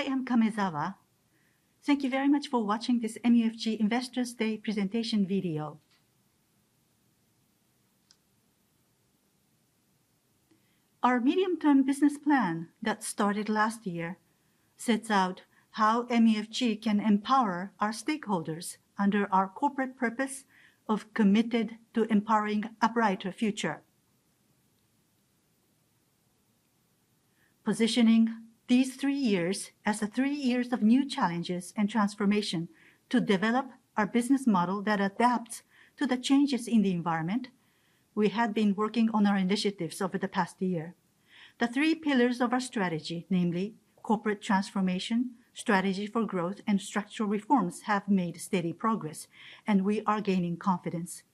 I am Kamezawa. Thank you very much for watching this MUFG Investors Day presentation video. Our medium-term business plan that started last year sets out how MUFG can empower our stakeholders under our corporate purpose of Committed to Empowering a Brighter Future. Positioning these three years as the three years of new challenges and transformation to develop our business model that adapts to the changes in the environment, we have been working on our initiatives over the past year. The three pillars of our strategy, namely corporate transformation, strategy for growth, and structural reforms, have made steady progress, and we are gaining confidence.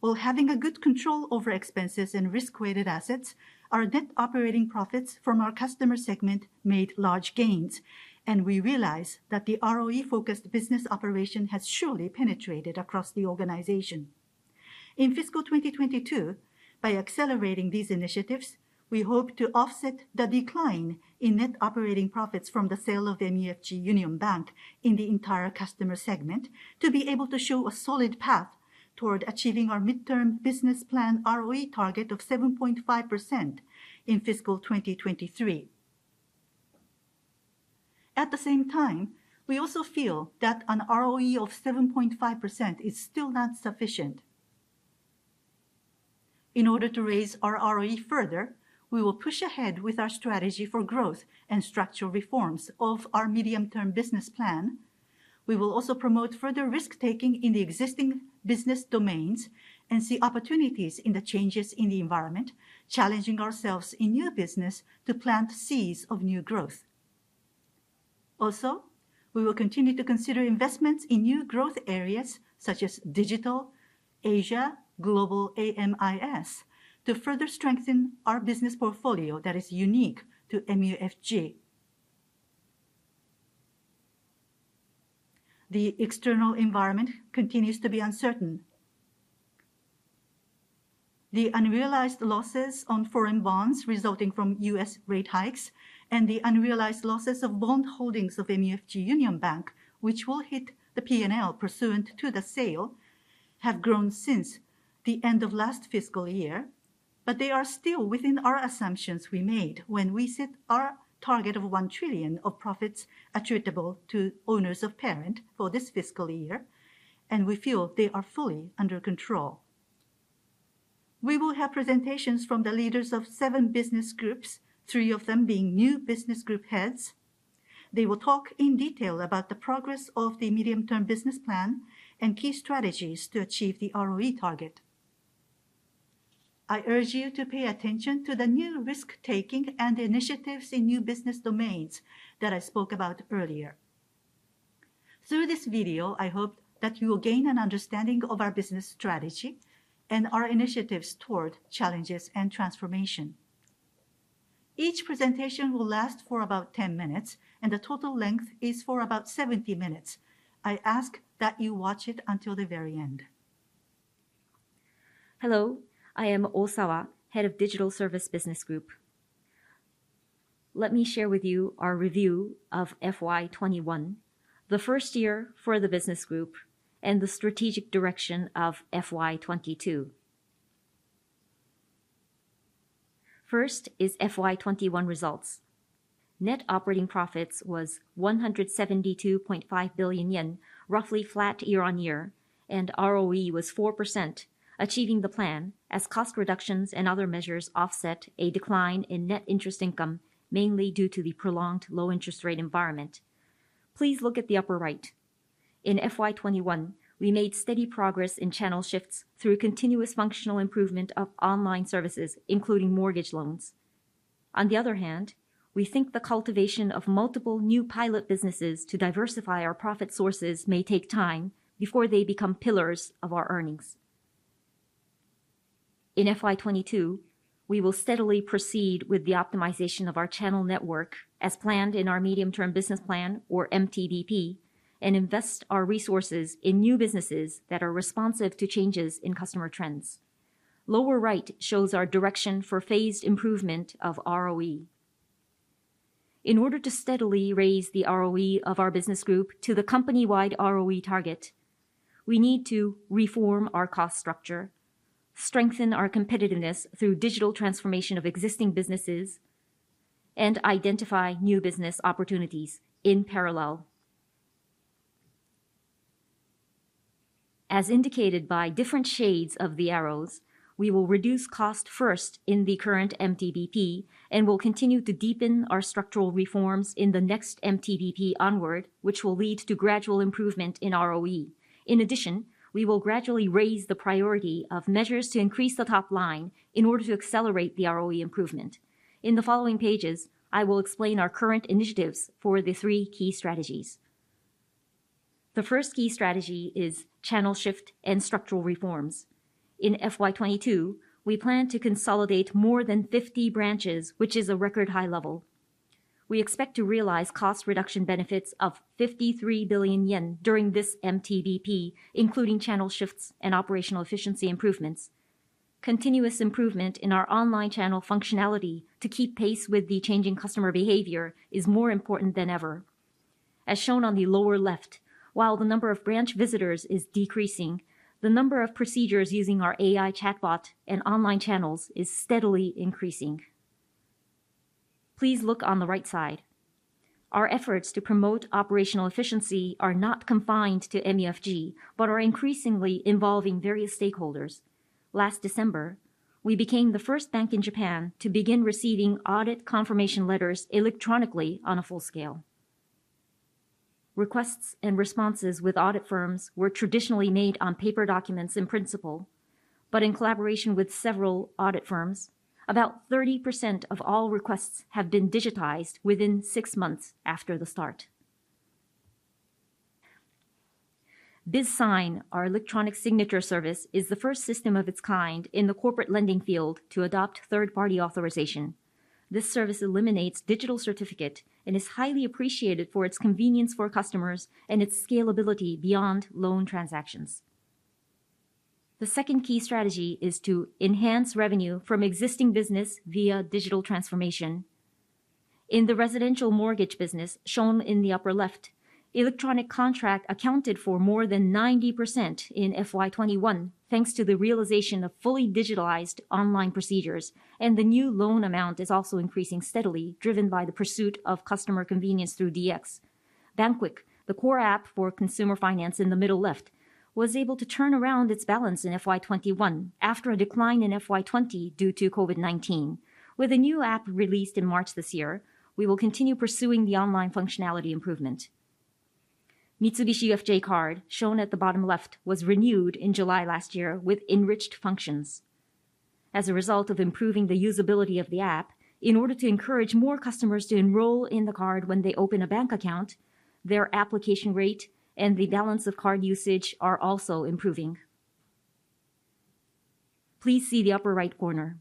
While having a good control over expenses and risk-weighted assets, our net operating profits from our customer segment made large gains, and we realize that the ROE-focused business operation has surely penetrated across the organization. In fiscal 2022, by accelerating these initiatives, we hope to offset the decline in net operating profits from the sale of MUFG Union Bank in the entire customer segment to be able to show a solid path toward achieving our medium-term business plan ROE target of 7.5% in fiscal 2023. At the same time, we also feel that an ROE of 7.5% is still not sufficient. In order to raise our ROE further, we will push ahead with our strategy for growth and structural reforms of our medium-term business plan. We will also promote further risk-taking in the existing business domains and see opportunities in the changes in the environment, challenging ourselves in new business to plant seeds of new growth. We will continue to consider investments in new growth areas such as digital, Asia, global AMIS to further strengthen our business portfolio that is unique to MUFG. The external environment continues to be uncertain. The unrealized losses on foreign bonds resulting from U.S. rate hikes and the unrealized losses of bond holdings of MUFG Union Bank, which will hit the P&L pursuant to the sale, have grown since the end of last fiscal year, but they are still within our assumptions we made when we set our target of 1 trillion of profits attributable to owners of parent for this fiscal year, and we feel they are fully under control. We will have presentations from the leaders of seven business groups, three of them being new business group heads. They will talk in detail about the progress of the medium-term business plan and key strategies to achieve the ROE target. I urge you to pay attention to the new risk-taking and initiatives in new business domains that I spoke about earlier. Through this video, I hope that you will gain an understanding of our business strategy and our initiatives toward challenges and transformation. Each presentation will last for about 10 minutes, and the total length is for about 70 minutes. I ask that you watch it until the very end. Hello, I am Osawa, Head of Digital Service Business Group. Let me share with you our review of FY 2021, the first year for the business group and the strategic direction of FY 2022. First is FY 2021 results. Net operating profits was 172.5 billion yen, roughly flat year-on-year, and ROE was 4%, achieving the plan as cost reductions and other measures offset a decline in net interest income, mainly due to the prolonged low interest rate environment. Please look at the upper right. In FY 2021, we made steady progress in channel shifts through continuous functional improvement of online services, including mortgage loans. On the other hand, we think the cultivation of multiple new pilot businesses to diversify our profit sources may take time before they become pillars of our earnings. In FY 2022, we will steadily proceed with the optimization of our channel network as planned in our medium-term business plan or MTBP and invest our resources in new businesses that are responsive to changes in customer trends. Lower right shows our direction for phased improvement of ROE. In order to steadily raise the ROE of our business group to the company-wide ROE target, we need to reform our cost structure, strengthen our competitiveness through digital transformation of existing businesses, and identify new business opportunities in parallel. As indicated by different shades of the arrows, we will reduce cost first in the current MTBP and will continue to deepen our structural reforms in the next MTBP onward, which will lead to gradual improvement in ROE. In addition, we will gradually raise the priority of measures to increase the top line in order to accelerate the ROE improvement. In the following pages, I will explain our current initiatives for the three key strategies. The first key strategy is channel shift and structural reforms. In FY 2022, we plan to consolidate more than 50 branches, which is a record high level. We expect to realize cost reduction benefits of 53 billion yen during this MTBP, including channel shifts and operational efficiency improvements. Continuous improvement in our online channel functionality to keep pace with the changing customer behavior is more important than ever. As shown on the lower left, while the number of branch visitors is decreasing, the number of procedures using our AI chatbot and online channels is steadily increasing. Please look on the right side. Our efforts to promote operational efficiency are not confined to MUFG, but are increasingly involving various stakeholders. Last December, we became the first bank in Japan to begin receiving audit confirmation letters electronically on a full scale. Requests and responses with audit firms were traditionally made on paper documents in principle, but in collaboration with several audit firms, about 30% of all requests have been digitized within six months after the start. BizSign, our electronic signature service, is the first system of its kind in the corporate lending field to adopt third-party authorization. This service eliminates digital certificate and is highly appreciated for its convenience for customers and its scalability beyond loan transactions. The second key strategy is to enhance revenue from existing business via digital transformation. In the residential mortgage business shown in the upper left, electronic contract accounted for more than 90% in FY 2021, thanks to the realization of fully digitalized online procedures, and the new loan amount is also increasing steadily, driven by the pursuit of customer convenience through DX. BANQUIC, the core app for consumer finance in the middle left, was able to turn around its balance in FY 2021 after a decline in FY 2020 due to COVID-19. With a new app released in March this year, we will continue pursuing the online functionality improvement. Mitsubishi UFJ Card, shown at the bottom left, was renewed in July last year with enriched functions. As a result of improving the usability of the app, in order to encourage more customers to enroll in the card when they open a bank account, their application rate and the balance of card usage are also improving. Please see the upper right corner.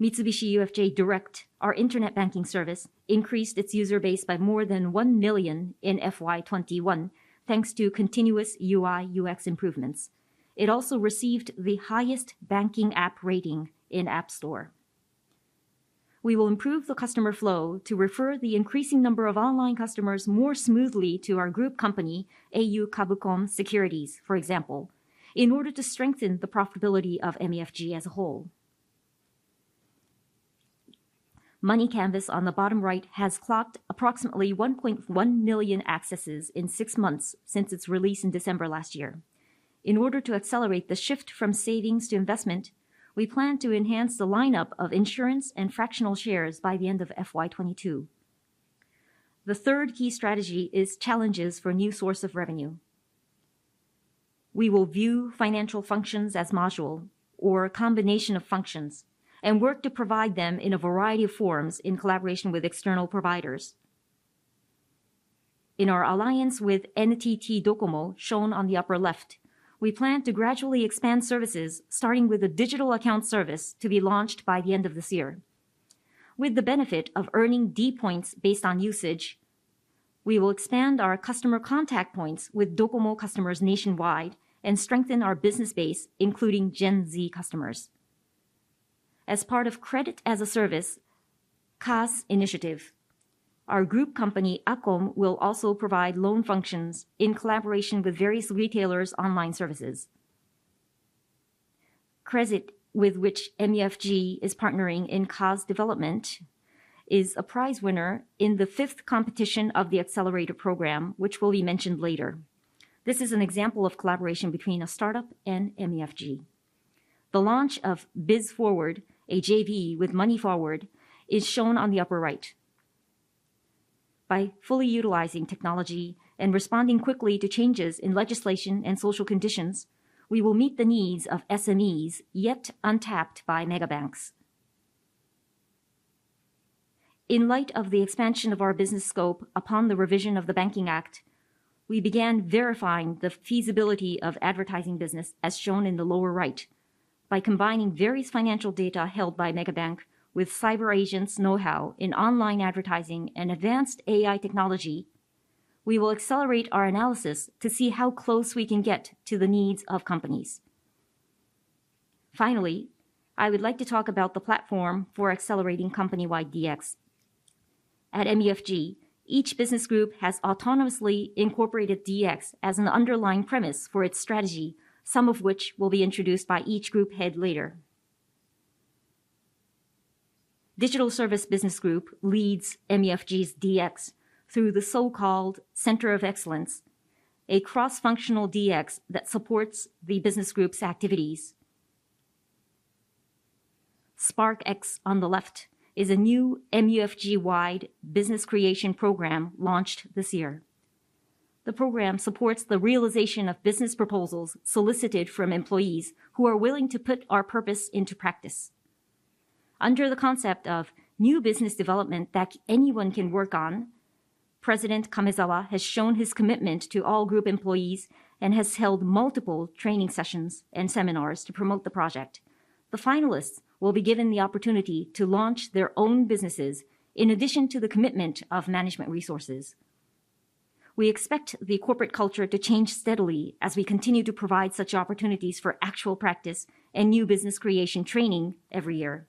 Mitsubishi UFJ Direct, our internet banking service, increased its user base by more than 1 million in FY 2021, thanks to continuous UI/UX improvements. It also received the highest banking app rating in App Store. We will improve the customer flow to refer the increasing number of online customers more smoothly to our group company, au Kabucom Securities, for example, in order to strengthen the profitability of MUFG as a whole. MONEY CANVAS on the bottom right has clocked approximately 1.1 million accesses in six months since its release in December last year. In order to accelerate the shift from savings to investment, we plan to enhance the lineup of insurance and fractional shares by the end of FY 2022. The third key strategy is challenges for new source of revenue. We will view financial functions as module or combination of functions and work to provide them in a variety of forms in collaboration with external providers. In our alliance with NTT Docomo, shown on the upper left, we plan to gradually expand services starting with a digital account service to be launched by the end of this year. With the benefit of earning d points based on usage, we will expand our customer contact points with Docomo customers nationwide and strengthen our business base, including Gen Z customers. As part of Credit as a Service, CaaS initiative, our group company, Acom, will also provide loan functions in collaboration with various retailers' online services. Crezit, with which MUFG is partnering in CaaS development, is a prize winner in the fifth competition of the accelerator program, which will be mentioned later. This is an example of collaboration between a startup and MUFG. The launch of Biz Forward, a JV with Money Forward, is shown on the upper right. By fully utilizing technology and responding quickly to changes in legislation and social conditions, we will meet the needs of SMEs yet untapped by megabanks. In light of the expansion of our business scope upon the revision of the Banking Act, we began verifying the feasibility of advertising business, as shown in the lower right. By combining various financial data held by megabank with CyberAgent's know-how in online advertising and advanced AI technology, we will accelerate our analysis to see how close we can get to the needs of companies. Finally, I would like to talk about the platform for accelerating company-wide DX. At MUFG, each business group has autonomously incorporated DX as an underlying premise for its strategy, some of which will be introduced by each group head later. Digital Service Business Group leads MUFG's DX through the so-called Center of Excellence, a cross-functional DX that supports the business group's activities. SparkX, on the left, is a new MUFG-wide business creation program launched this year. The program supports the realization of business proposals solicited from employees who are willing to put our purpose into practice. Under the concept of new business development that anyone can work on, President Kamezawa has shown his commitment to all group employees and has held multiple training sessions and seminars to promote the project. The finalists will be given the opportunity to launch their own businesses in addition to the commitment of management resources. We expect the corporate culture to change steadily as we continue to provide such opportunities for actual practice and new business creation training every year.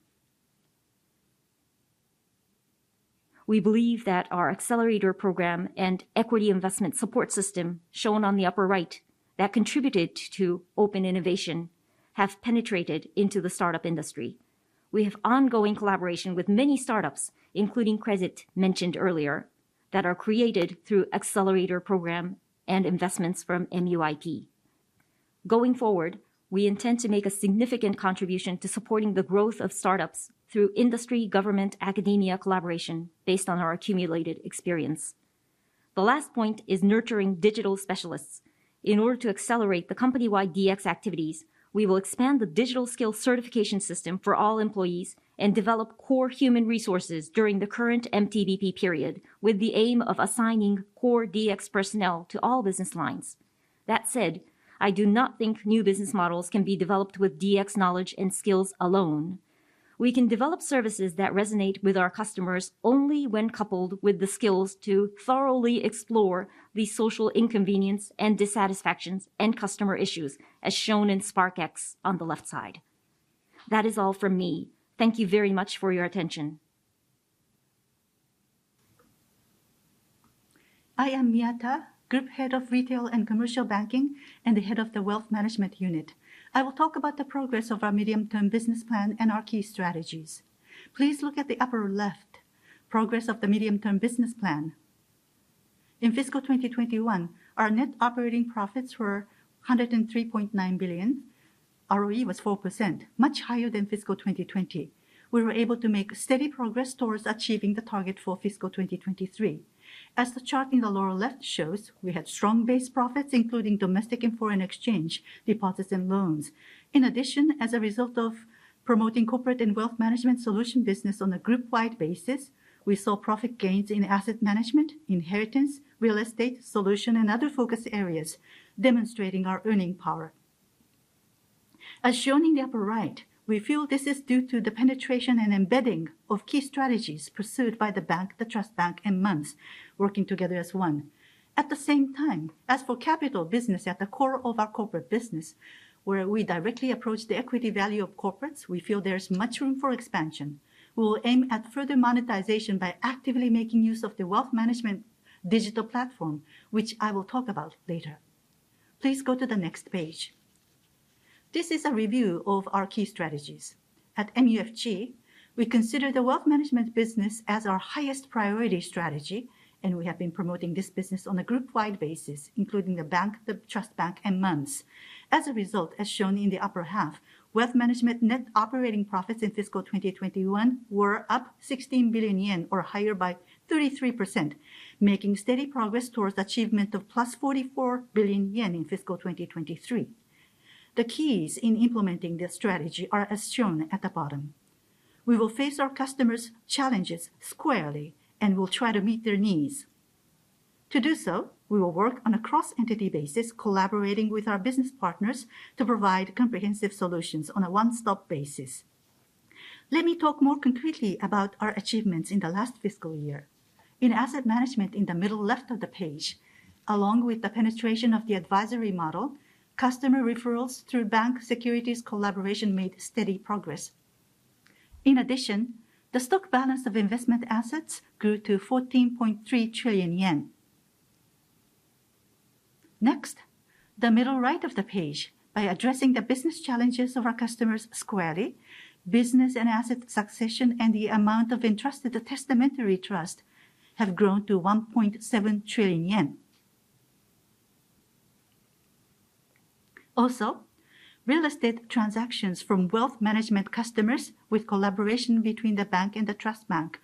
We believe that our accelerator program and equity investment support system, shown on the upper right, that contributed to open innovation have penetrated into the startup industry. We have ongoing collaboration with many startups, including Crezit mentioned earlier, that are created through accelerator program and investments from MUIP. Going forward, we intend to make a significant contribution to supporting the growth of startups through industry, government, academia collaboration based on our accumulated experience. The last point is nurturing digital specialists. In order to accelerate the company-wide DX activities, we will expand the digital skill certification system for all employees and develop core human resources during the current MTBP period, with the aim of assigning core DX personnel to all business lines. That said, I do not think new business models can be developed with DX knowledge and skills alone. We can develop services that resonate with our customers only when coupled with the skills to thoroughly explore the social inconvenience and dissatisfactions and customer issues as shown in SparkX on the left side. That is all from me. Thank you very much for your attention. I am Miyata, Group Head of Retail & Commercial Banking and the Head of the Wealth Management Unit. I will talk about the progress of our medium-term business plan and our key strategies. Please look at the upper left, Progress of the medium-term business plan. In fiscal 2021, our net operating profits were 103.9 billion. ROE was 4%, much higher than fiscal 2020. We were able to make steady progress towards achieving the target for fiscal 2023. As the chart in the lower left shows, we had strong base profits, including domestic and foreign exchange, deposits and loans. In addition, as a result of promoting corporate and wealth management solution business on a group-wide basis, we saw profit gains in asset management, inheritance, real estate, solution, and other focus areas, demonstrating our earning power. As shown in the upper right, we feel this is due to the penetration and embedding of key strategies pursued by the bank, the trust bank, and Mums working together as one. At the same time, as for capital business at the core of our corporate business, where we directly approach the equity value of corporates, we feel there's much room for expansion. We'll aim at further monetization by actively making use of the wealth management digital platform, which I will talk about later. Please go to the next page. This is a review of our key strategies. At MUFG, we consider the wealth management business as our highest priority strategy, and we have been promoting this business on a group-wide basis, including the bank, the trust bank, and Mums. As a result, as shown in the upper half, wealth management net operating profits in fiscal 2021 were up 16 billion yen or higher by 33%, making steady progress towards achievement of +44 billion yen in fiscal 2023. The keys in implementing this strategy are as shown at the bottom. We will face our customers' challenges squarely and will try to meet their needs. To do so, we will work on a cross-entity basis, collaborating with our business partners to provide comprehensive solutions on a one-stop basis. Let me talk more concretely about our achievements in the last fiscal year. In asset management in the middle left of the page, along with the penetration of the advisory model, customer referrals through bank securities collaboration made steady progress. In addition, the stock balance of investment assets grew to 14.3 trillion yen. Next, the middle right of the page. By addressing the business challenges of our customers squarely, business and asset succession, and the amount of interest of the testamentary trust have grown to 1.7 trillion yen. Also, real estate transactions from wealth management customers with collaboration between the bank and the trust bank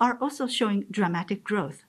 are also showing dramatic growth.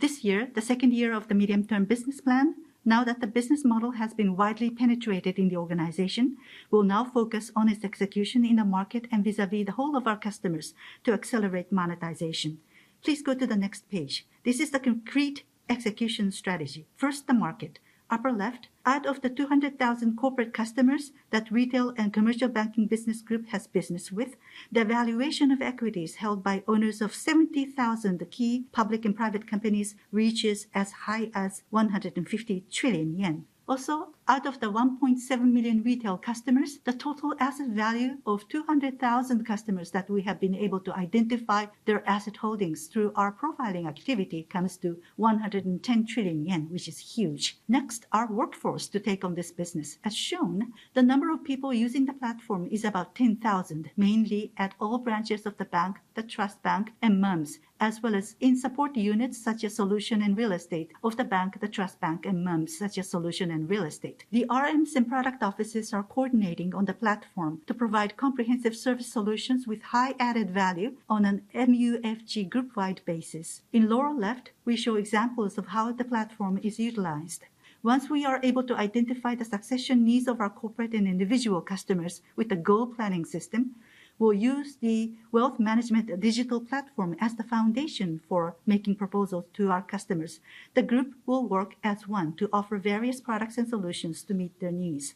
This year, the second year of the medium-term business plan, now that the business model has been widely penetrated in the organization, we'll now focus on its execution in the market and vis-à-vis the whole of our customers to accelerate monetization. Please go to the next page. This is the concrete execution strategy. First, the market. Upper left, out of the 200,000 corporate customers that Retail & Commercial Banking Business Group has business with, the valuation of equities held by owners of 70,000, the key public and private companies, reaches as high as 150 trillion yen. Also, out of the 1.7 million retail customers, the total asset value of 200,000 customers that we have been able to identify their asset holdings through our profiling activity comes to 110 trillion yen, which is huge. Next, our workforce to take on this business. As shown, the number of people using the platform is about 10,000, mainly at all branches of the bank, the trust bank, and Mums, as well as in support units such as solution and real estate of the bank, the trust bank, and Mums, such as solution and real estate. The RMs and product offices are coordinating on the platform to provide comprehensive service solutions with high added value on an MUFG group-wide basis. In lower left, we show examples of how the platform is utilized. Once we are able to identify the succession needs of our corporate and individual customers with the goal planning system, we'll use the wealth management digital platform as the foundation for making proposals to our customers. The group will work as one to offer various products and solutions to meet their needs.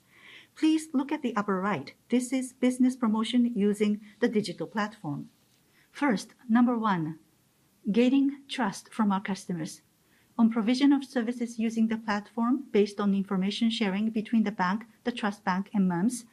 Please look at the upper right. This is business promotion using the digital platform. First, number one, gaining trust from our customers. On provision of services using the platform based on information sharing between the bank, the trust bank, and Mums,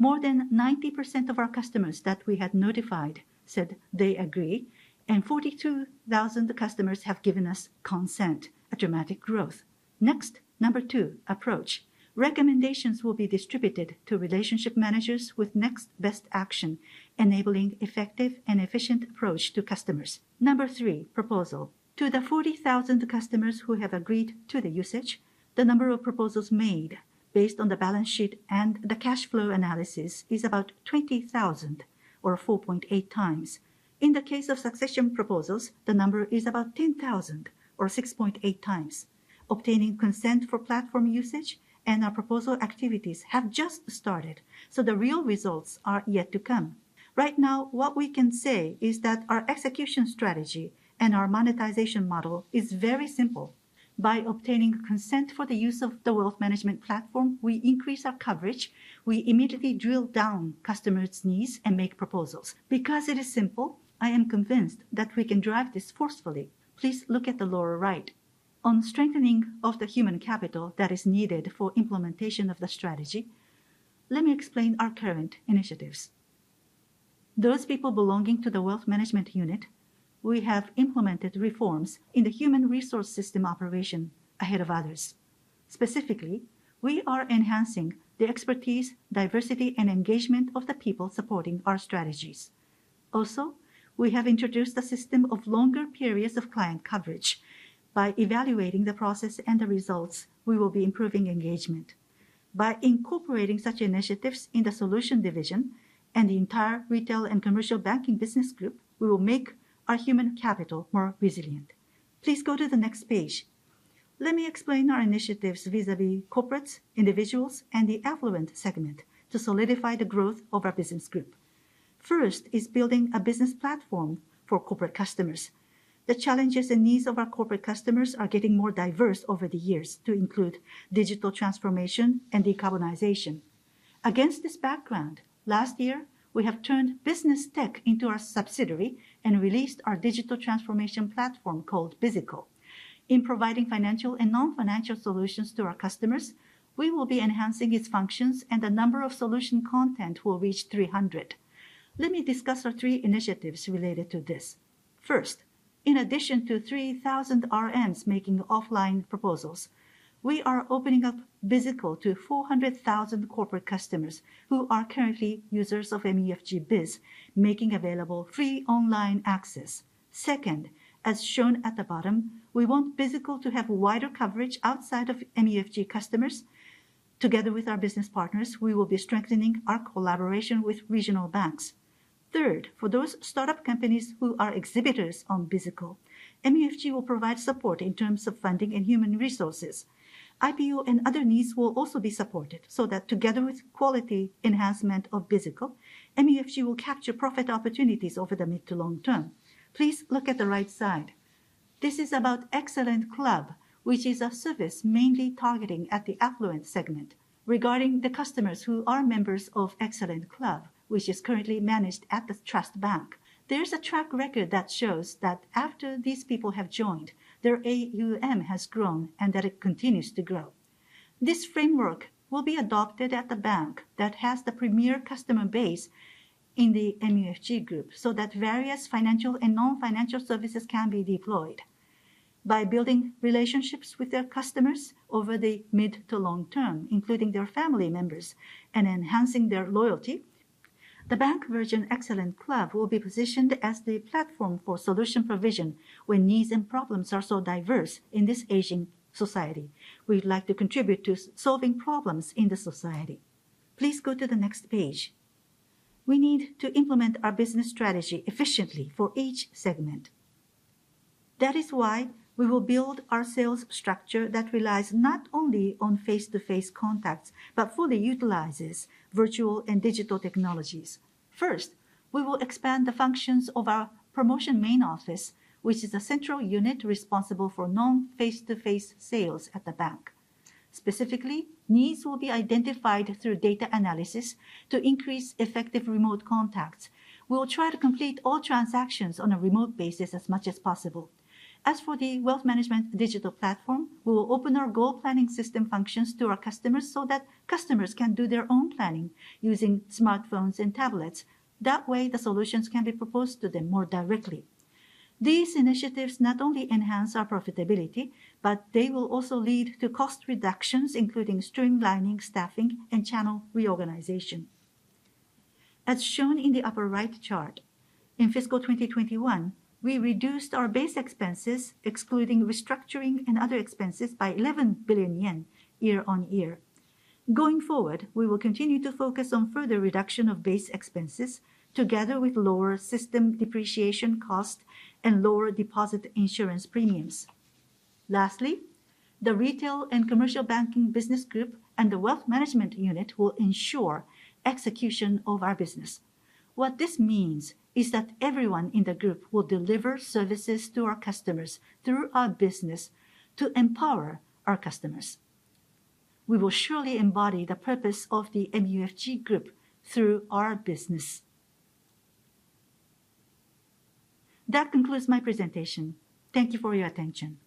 more than 90% of our customers that we had notified said they agree, and 42,000 customers have given us consent, a dramatic growth. Next, number two, approach. Recommendations will be distributed to relationship managers with next best action, enabling effective and efficient approach to customers. Number three, proposal. To the 40,000 customers who have agreed to the usage, the number of proposals made based on the balance sheet and the cash flow analysis is about 20,000 or 4.8x. In the case of succession proposals, the number is about 10,000 or 6.8x. Obtaining consent for platform usage and our proposal activities have just started, so the real results are yet to come. Right now, what we can say is that our execution strategy and our monetization model is very simple. By obtaining consent for the use of the wealth management platform, we increase our coverage. We immediately drill down customers' needs and make proposals. Because it is simple, I am convinced that we can drive this forcefully. Please look at the lower right. On strengthening of the human capital that is needed for implementation of the strategy, let me explain our current initiatives. Those people belonging to the Wealth Management Unit, we have implemented reforms in the human resource system operation ahead of others. Specifically, we are enhancing the expertise, diversity, and engagement of the people supporting our strategies. Also, we have introduced a system of longer periods of client coverage. By evaluating the process and the results, we will be improving engagement. By incorporating such initiatives in the solution division and the entire Retail and Commercial Banking Business Group, we will make our human capital more resilient. Please go to the next page. Let me explain our initiatives vis-à-vis corporates, individuals, and the affluent segment to solidify the growth of our business group. First is building a business platform for corporate customers. The challenges and needs of our corporate customers are getting more diverse over the years to include digital transformation and decarbonization. Against this background, last year, we have turned BusinessTech into our subsidiary and released our digital transformation platform called Bizi-ECO. In providing financial and non-financial solutions to our customers, we will be enhancing its functions, and the number of solution content will reach 300. Let me discuss our three initiatives related to this. First, in addition to 3,000 RMs making offline proposals, we are opening up Biz-ECO to 400,000 corporate customers who are currently users of MUFG Biz, making available free online access. Second, as shown at the bottom, we want Biz-ECO to have wider coverage outside of MUFG customers. Together with our business partners, we will be strengthening our collaboration with regional banks. Third, for those startup companies who are exhibitors on Biz-ECO, MUFG will provide support in terms of funding and human resources. IPO and other needs will also be supported so that together with quality enhancement of Biz-ECO, MUFG will capture profit opportunities over the mid to long term. Please look at the right side. This is about Excellent Club, which is a service mainly targeting at the affluent segment. Regarding the customers who are members of Excellent Club, which is currently managed at the trust bank, there's a track record that shows that after these people have joined, their AUM has grown and that it continues to grow. This framework will be adopted at the bank that has the premier customer base in the MUFG Group, so that various financial and non-financial services can be deployed. By building relationships with their customers over the mid to long term, including their family members, and enhancing their loyalty, the bank version Excellent Club will be positioned as the platform for solution provision when needs and problems are so diverse in this aging society. We'd like to contribute to solving problems in the society. Please go to the next page. We need to implement our business strategy efficiently for each segment. That is why we will build our sales structure that relies not only on face-to-face contacts, but fully utilizes virtual and digital technologies. First, we will expand the functions of our promotion main office, which is a central unit responsible for non-face-to-face sales at the bank. Specifically, needs will be identified through data analysis to increase effective remote contacts. We'll try to complete all transactions on a remote basis as much as possible. As for the wealth management digital platform, we'll open our goal planning system functions to our customers so that customers can do their own planning using smartphones and tablets. That way, the solutions can be proposed to them more directly. These initiatives not only enhance our profitability, but they will also lead to cost reductions, including streamlining, staffing, and channel reorganization. As shown in the upper right chart, in fiscal 2021, we reduced our base expenses, excluding restructuring and other expenses, by 11 billion yen year-on-year. Going forward, we will continue to focus on further reduction of base expenses together with lower system depreciation cost and lower deposit insurance premiums. Lastly, the Retail and Commercial Banking Business Group and the Wealth Management Unit will ensure execution of our business. What this means is that everyone in the group will deliver services to our customers through our business to empower our customers. We will surely embody the purpose of the MUFG Group through our business. That concludes my presentation. Thank you for your attention.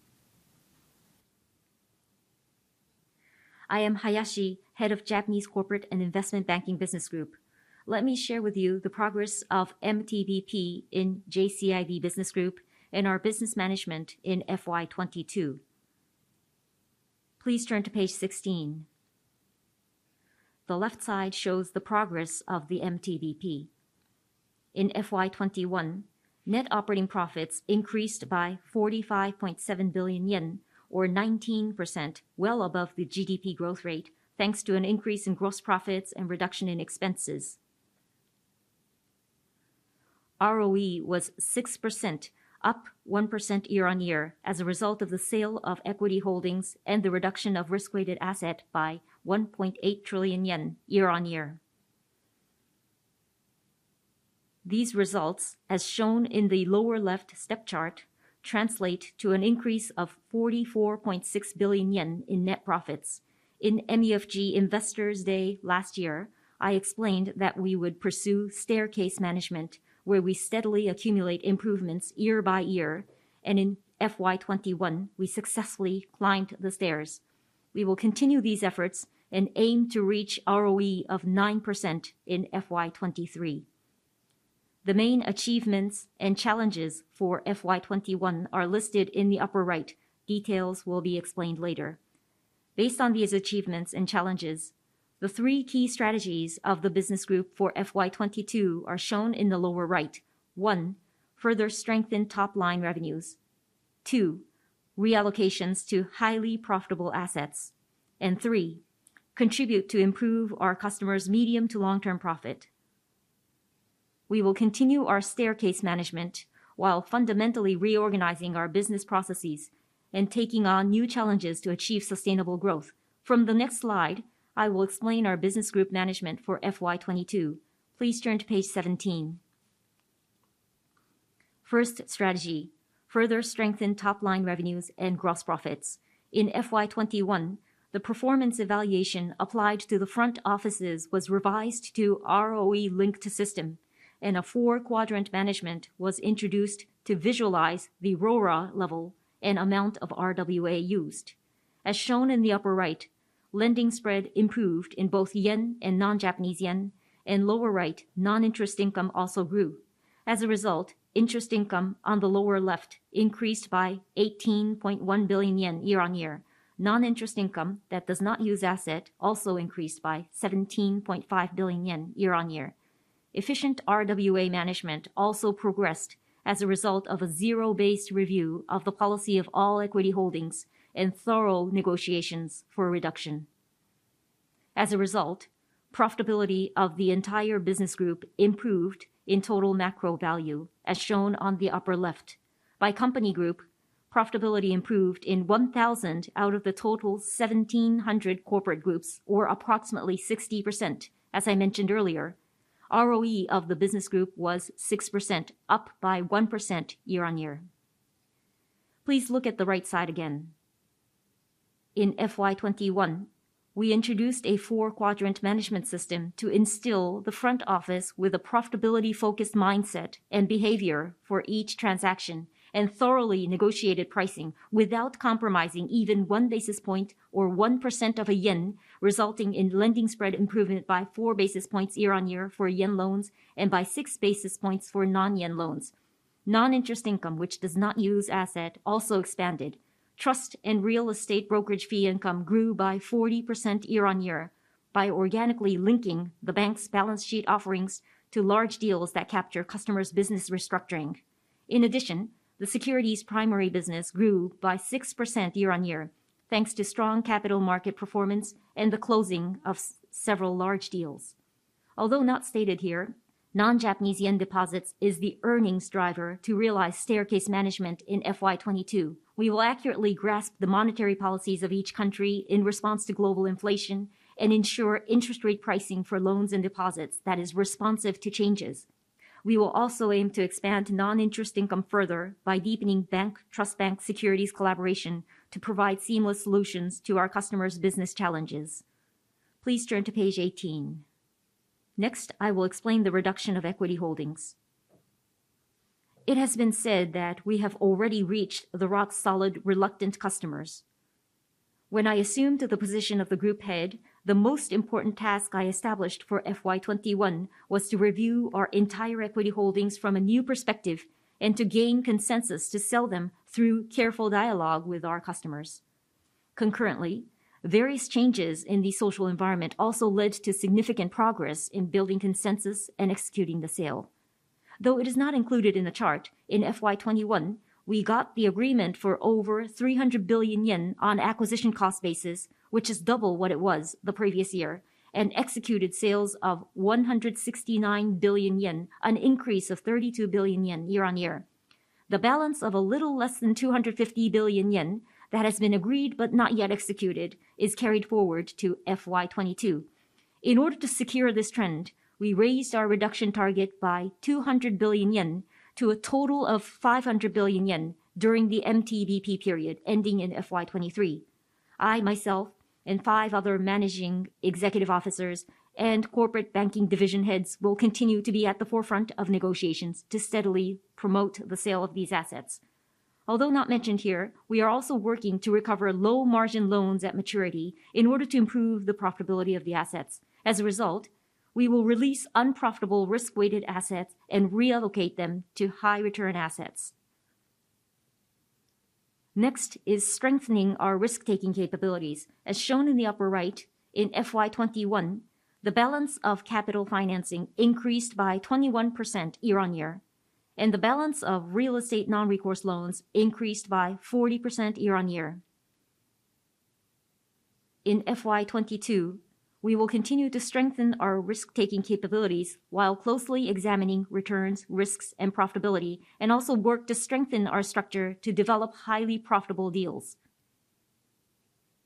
I am Hayashi, Head of Japanese Corporate & Investment Banking Business Group. Let me share with you the progress of MTBP in JCIB Business Group and our business management in FY 2022. Please turn to page 16. The left side shows the progress of the MTBP. In FY 2021, net operating profits increased by 45.7 billion yen, or 19%, well above the GDP growth rate, thanks to an increase in gross profits and reduction in expenses. ROE was 6%, up 1% year-on-year as a result of the sale of equity holdings and the reduction of risk-weighted assets by 1.8 trillion yen year-on-year. These results, as shown in the lower-left step chart, translate to an increase of 44.6 billion yen in net profits. In MUFG Investors Day last year, I explained that we would pursue staircase management, where we steadily accumulate improvements year-by-year, and in FY 2021, we successfully climbed the stairs. We will continue these efforts and aim to reach ROE of 9% in FY 2023. The main achievements and challenges for FY 2021 are listed in the upper right. Details will be explained later. Based on these achievements and challenges, the three key strategies of the business group for FY 2022 are shown in the lower right. One, further strengthen top-line revenues. Two, reallocations to highly profitable assets. Three, contribute to improve our customers' medium to long-term profit. We will continue our staircase management while fundamentally reorganizing our business processes and taking on new challenges to achieve sustainable growth. From the next slide, I will explain our business group management for FY 2022. Please turn to page 17. First strategy, further strengthen top-line revenues and gross profits. In FY 2021, the performance evaluation applied to the front offices was revised to ROE-linked system, and a four-quadrant management was introduced to visualize the RORA level and amount of RWA used. As shown in the upper right, lending spread improved in both yen and non-Japanese yen, and lower right, non-interest income also grew. As a result, interest income on the lower left increased by 18.1 billion yen year-on-year. Non-interest income that does not use asset also increased by 17.5 billion yen year-on-year. Efficient RWA management also progressed as a result of a zero-based review of the policy of all equity holdings and thorough negotiations for reduction. As a result, profitability of the entire business group improved in total macro value, as shown on the upper left. By company group, profitability improved in 1,000 out of the total 1,700 corporate groups, or approximately 60%. As I mentioned earlier, ROE of the business group was 6%, up by 1% year-on-year. Please look at the right side again. In FY 2021, we introduced a four-quadrant management system to instill the front office with a profitability-focused mindset and behavior for each transaction and thoroughly negotiated pricing without compromising even one basis point or 1% of a yen, resulting in lending spread improvement by four basis points year-on-year for yen loans and by six basis points for non-yen loans. Non-interest income, which does not use asset, also expanded. Trust and real estate brokerage fee income grew by 40% year-on-year by organically linking the bank's balance sheet offerings to large deals that capture customers' business restructuring. In addition, the securities primary business grew by 6% year-on-year, thanks to strong capital market performance and the closing of several large deals. Although not stated here, non-Japanese yen deposits is the earnings driver to realize staircase management in FY 2022. We will accurately grasp the monetary policies of each country in response to global inflation and ensure interest rate pricing for loans and deposits that is responsive to changes. We will also aim to expand non-interest income further by deepening bank, trust bank, securities collaboration to provide seamless solutions to our customers' business challenges. Please turn to page 18. Next, I will explain the reduction of equity holdings. It has been said that we have already reached the rock-solid reluctant customers. When I assumed the position of the group head, the most important task I established for FY 2021 was to review our entire equity holdings from a new perspective and to gain consensus to sell them through careful dialogue with our customers. Concurrently, various changes in the social environment also led to significant progress in building consensus and executing the sale. Though it is not included in the chart, in FY 2021, we got the agreement for over 300 billion yen on acquisition cost basis, which is double what it was the previous year, and executed sales of 169 billion yen, an increase of 32 billion yen year-on-year. The balance of a little less than 250 billion yen that has been agreed but not yet executed is carried forward to FY 2022. In order to secure this trend, we raised our reduction target by 200 billion yen to a total of 500 billion yen during the MTBP period ending in FY 2023. I, myself, and five other managing executive officers and corporate banking division heads will continue to be at the forefront of negotiations to steadily promote the sale of these assets. Although not mentioned here, we are also working to recover low-margin loans at maturity in order to improve the profitability of the assets. As a result, we will release unprofitable risk-weighted assets and reallocate them to high-return assets. Next is strengthening our risk-taking capabilities. As shown in the upper right, in FY 2021, the balance of capital financing increased by 21% year-on-year, and the balance of real estate non-recourse loans increased by 40% year-on-year. In FY 2022, we will continue to strengthen our risk-taking capabilities while closely examining returns, risks, and profitability, and also work to strengthen our structure to develop highly profitable deals.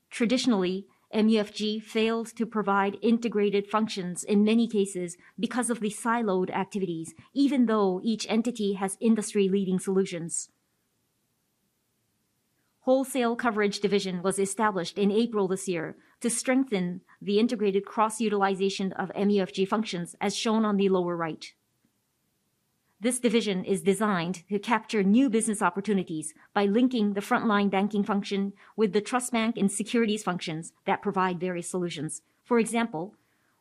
Traditionally, MUFG failed to provide integrated functions in many cases because of the siloed activities, even though each entity has industry-leading solutions. Wholesale Coverage Division was established in April this year to strengthen the integrated cross-utilization of MUFG functions, as shown on the lower right. This division is designed to capture new business opportunities by linking the frontline banking function with the trust bank and securities functions that provide various solutions. For example,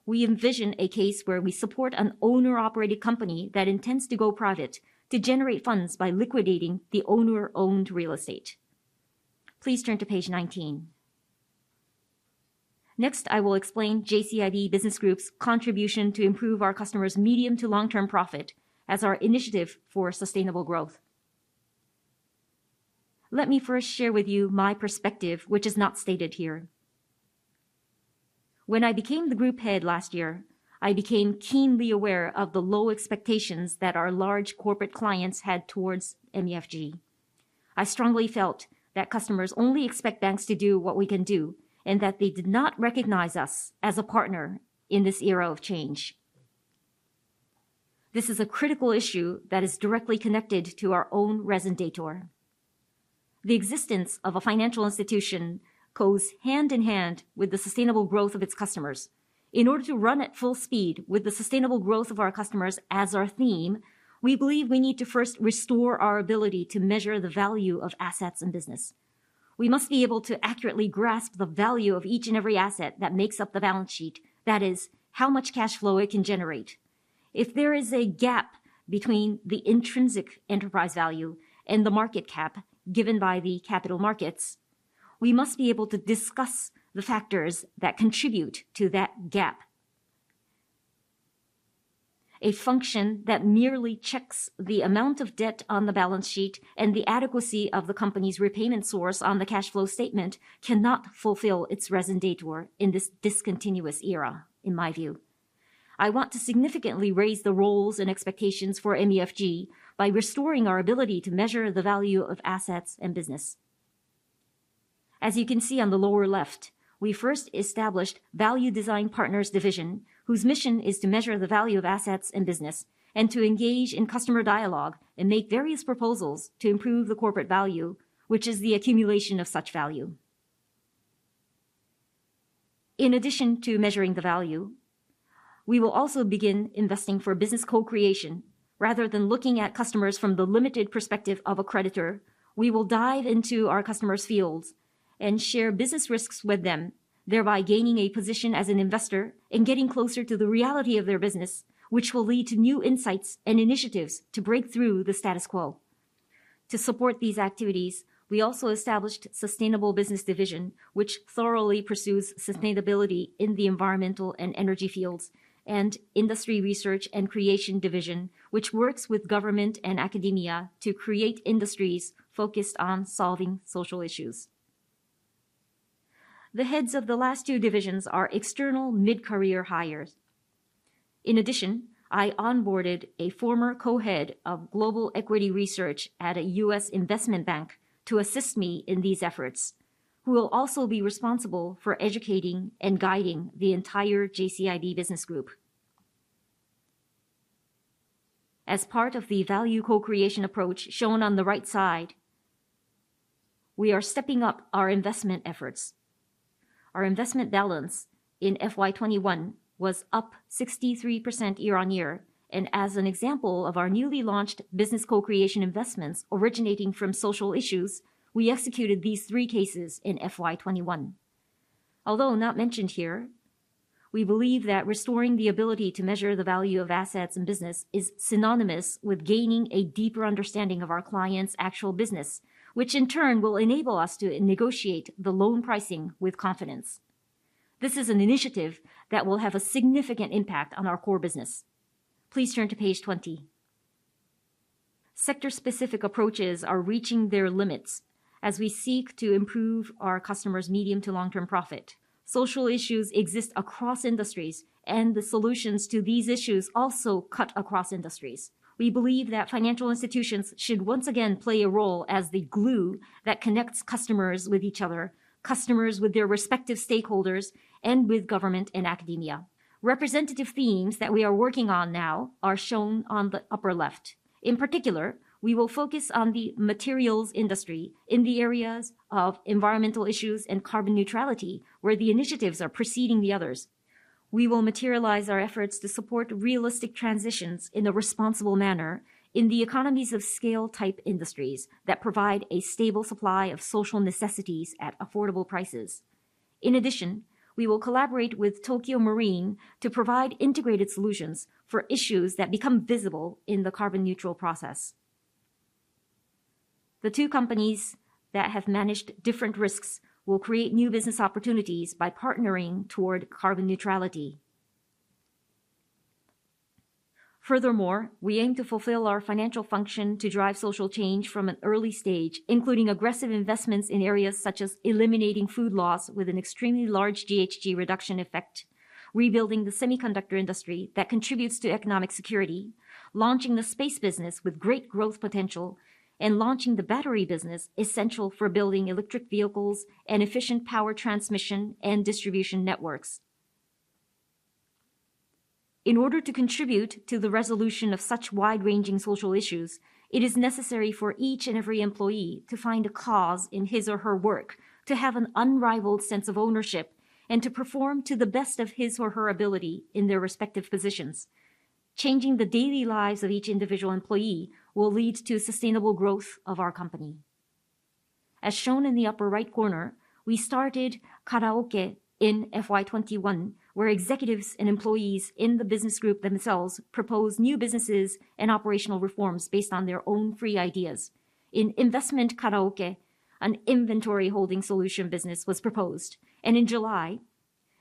we envision a case where we support an owner-operated company that intends to go private to generate funds by liquidating the owner-owned real estate. Please turn to page 19. Next, I will explain JCIB Business Group's contribution to improve our customers' medium- to long-term profit as our initiative for sustainable growth. Let me first share with you my perspective, which is not stated here. When I became the group head last year, I became keenly aware of the low expectations that our large corporate clients had towards MUFG. I strongly felt that customers only expect banks to do what we can do, and that they did not recognize us as a partner in this era of change. This is a critical issue that is directly connected to our own ROE and ROA. The existence of a financial institution goes hand in hand with the sustainable growth of its customers. In order to run at full speed with the sustainable growth of our customers as our theme, we believe we need to first restore our ability to measure the value of assets and business. We must be able to accurately grasp the value of each and every asset that makes up the balance sheet. That is, how much cash flow it can generate. If there is a gap between the intrinsic enterprise value and the market cap given by the capital markets, we must be able to discuss the factors that contribute to that gap. A function that merely checks the amount of debt on the balance sheet and the adequacy of the company's repayment source on the cash flow statement cannot fulfill its raison d'être in this discontinuous era, in my view. I want to significantly raise the roles and expectations for MUFG by restoring our ability to measure the value of assets and business. As you can see on the lower left, we first established Value Design Partners Division, whose mission is to measure the value of assets and business and to engage in customer dialogue and make various proposals to improve the corporate value, which is the accumulation of such value. In addition to measuring the value, we will also begin investing for business co-creation. Rather than looking at customers from the limited perspective of a creditor, we will dive into our customers' fields and share business risks with them, thereby gaining a position as an investor and getting closer to the reality of their business, which will lead to new insights and initiatives to break through the status quo. To support these activities, we also established Sustainable Business Division, which thoroughly pursues sustainability in the environmental and energy fields, and Industry Research and Creation Division, which works with government and academia to create industries focused on solving social issues. The heads of the last two divisions are external mid-career hires. In addition, I onboarded a former co-head of global equity research at a U.S. investment bank to assist me in these efforts, who will also be responsible for educating and guiding the entire JCIB Business Group. As part of the value co-creation approach shown on the right side, we are stepping up our investment efforts. Our investment balance in FY 2021 was up 63% year-on-year, and as an example of our newly launched business co-creation investments originating from social issues, we executed these three cases in FY 2021. Although not mentioned here, we believe that restoring the ability to measure the value of assets and business is synonymous with gaining a deeper understanding of our clients' actual business, which in turn will enable us to negotiate the loan pricing with confidence. This is an initiative that will have a significant impact on our core business. Please turn to page 20. Sector-specific approaches are reaching their limits as we seek to improve our customers' medium to long-term profit. Social issues exist across industries, and the solutions to these issues also cut across industries. We believe that financial institutions should once again play a role as the glue that connects customers with each other, customers with their respective stakeholders, and with government and academia. Representative themes that we are working on now are shown on the upper left. In particular, we will focus on the materials industry in the areas of environmental issues and carbon neutrality, where the initiatives are preceding the others. We will materialize our efforts to support realistic transitions in a responsible manner in the economies of scale-type industries that provide a stable supply of social necessities at affordable prices. In addition, we will collaborate with Tokio Marine to provide integrated solutions for issues that become visible in the carbon neutral process. The two companies that have managed different risks will create new business opportunities by partnering toward carbon neutrality. Furthermore, we aim to fulfill our financial function to drive social change from an early stage, including aggressive investments in areas such as eliminating food loss with an extremely large GHG reduction effect, rebuilding the semiconductor industry that contributes to economic security, launching the space business with great growth potential, and launching the battery business essential for building electric vehicles and efficient power transmission and distribution networks. In order to contribute to the resolution of such wide-ranging social issues, it is necessary for each and every employee to find a cause in his or her work, to have an unrivaled sense of ownership, and to perform to the best of his or her ability in their respective positions. Changing the daily lives of each individual employee will lead to sustainable growth of our company. As shown in the upper right corner, we started Karaoke in FY 2021, where executives and employees in the business group themselves propose new businesses and operational reforms based on their own free ideas. In investment Karaoke, an inventory holding solution business was proposed, and in July,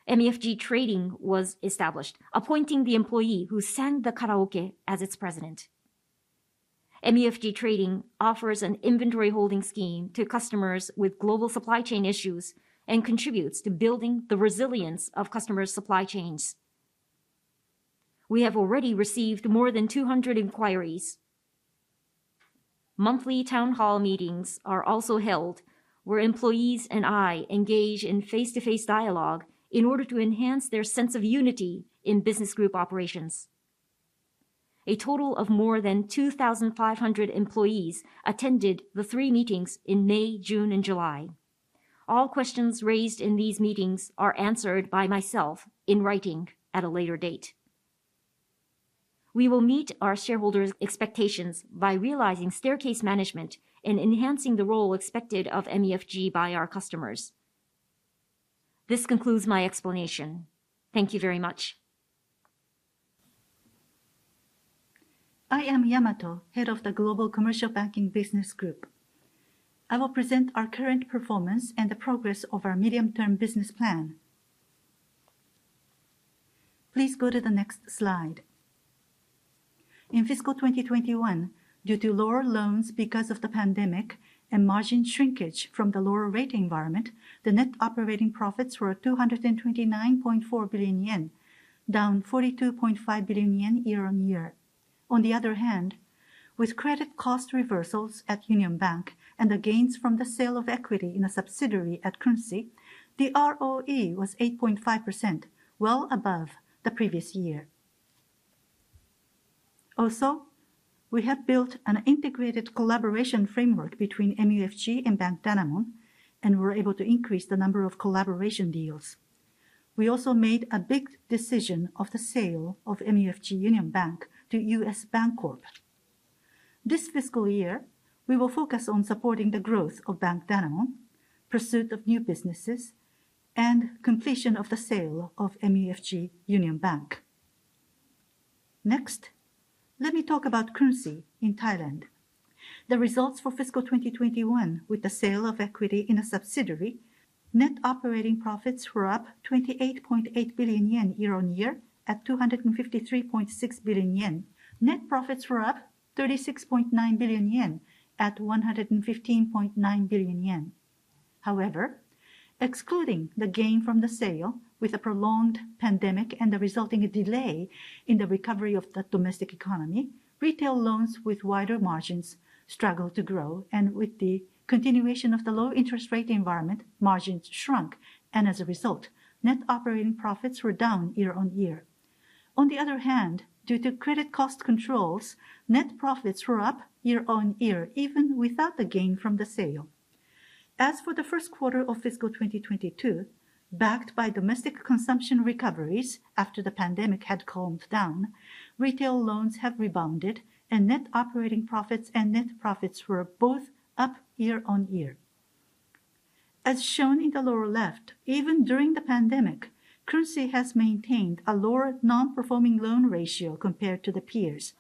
MUFG Trading was established, appointing the employee who sang the Karaoke as its president. MUFG Trading offers an inventory holding scheme to customers with global supply chain issues and contributes to building the resilience of customers' supply chains. We have already received more than 200 inquiries. Monthly town hall meetings are also held, where employees and I engage in face-to-face dialogue in order to enhance their sense of unity in business group operations. A total of more than 2,500 employees attended the three meetings in May, June, and July. All questions raised in these meetings are answered by myself in writing at a later date. We will meet our shareholders' expectations by realizing staircase management and enhancing the role expected of MUFG by our customers. This concludes my explanation. Thank you very much. I am Tadashi Yamamoto, Head of the Global Commercial Banking Business Group. I will present our current performance and the progress of our medium-term business plan. Please go to the next slide. In fiscal 2021, due to lower loans because of the pandemic and margin shrinkage from the lower rate environment, the net operating profits were 229.4 billion yen, down 42.5 billion yen year-on-year. On the other hand, with credit cost reversals at MUFG Union Bank and the gains from the sale of equity in a subsidiary at Krungsri, the ROE was 8.5%, well above the previous year. Also, we have built an integrated collaboration framework between MUFG and Bank Danamon, and we're able to increase the number of collaboration deals. We also made a big decision of the sale of MUFG Union Bank to U.S. Bancorp. This fiscal year, we will focus on supporting the growth of Bank Danamon, pursuit of new businesses, and completion of the sale of MUFG Union Bank. Next, let me talk about Krungsri in Thailand. The results for fiscal 2021 with the sale of equity in a subsidiary, net operating profits were up 28.8 billion yen year-on-year at 253.6 billion yen. Net profits were up 36.9 billion yen at 115.9 billion yen. However, excluding the gain from the sale, with a prolonged pandemic and the resulting delay in the recovery of the domestic economy, retail loans with wider margins struggled to grow. With the continuation of the low interest rate environment, margins shrunk, and as a result, net operating profits were down year-on-year. On the other hand, due to credit cost controls, net profits were up year-on-year even without the gain from the sale. As for the first quarter of fiscal 2022, backed by domestic consumption recoveries after the pandemic had calmed down, retail loans have rebounded and net operating profits and net profits were both up year-on-year. As shown in the lower left, even during the pandemic, Krungsri has maintained a lower non-performing loan ratio compared to the peers.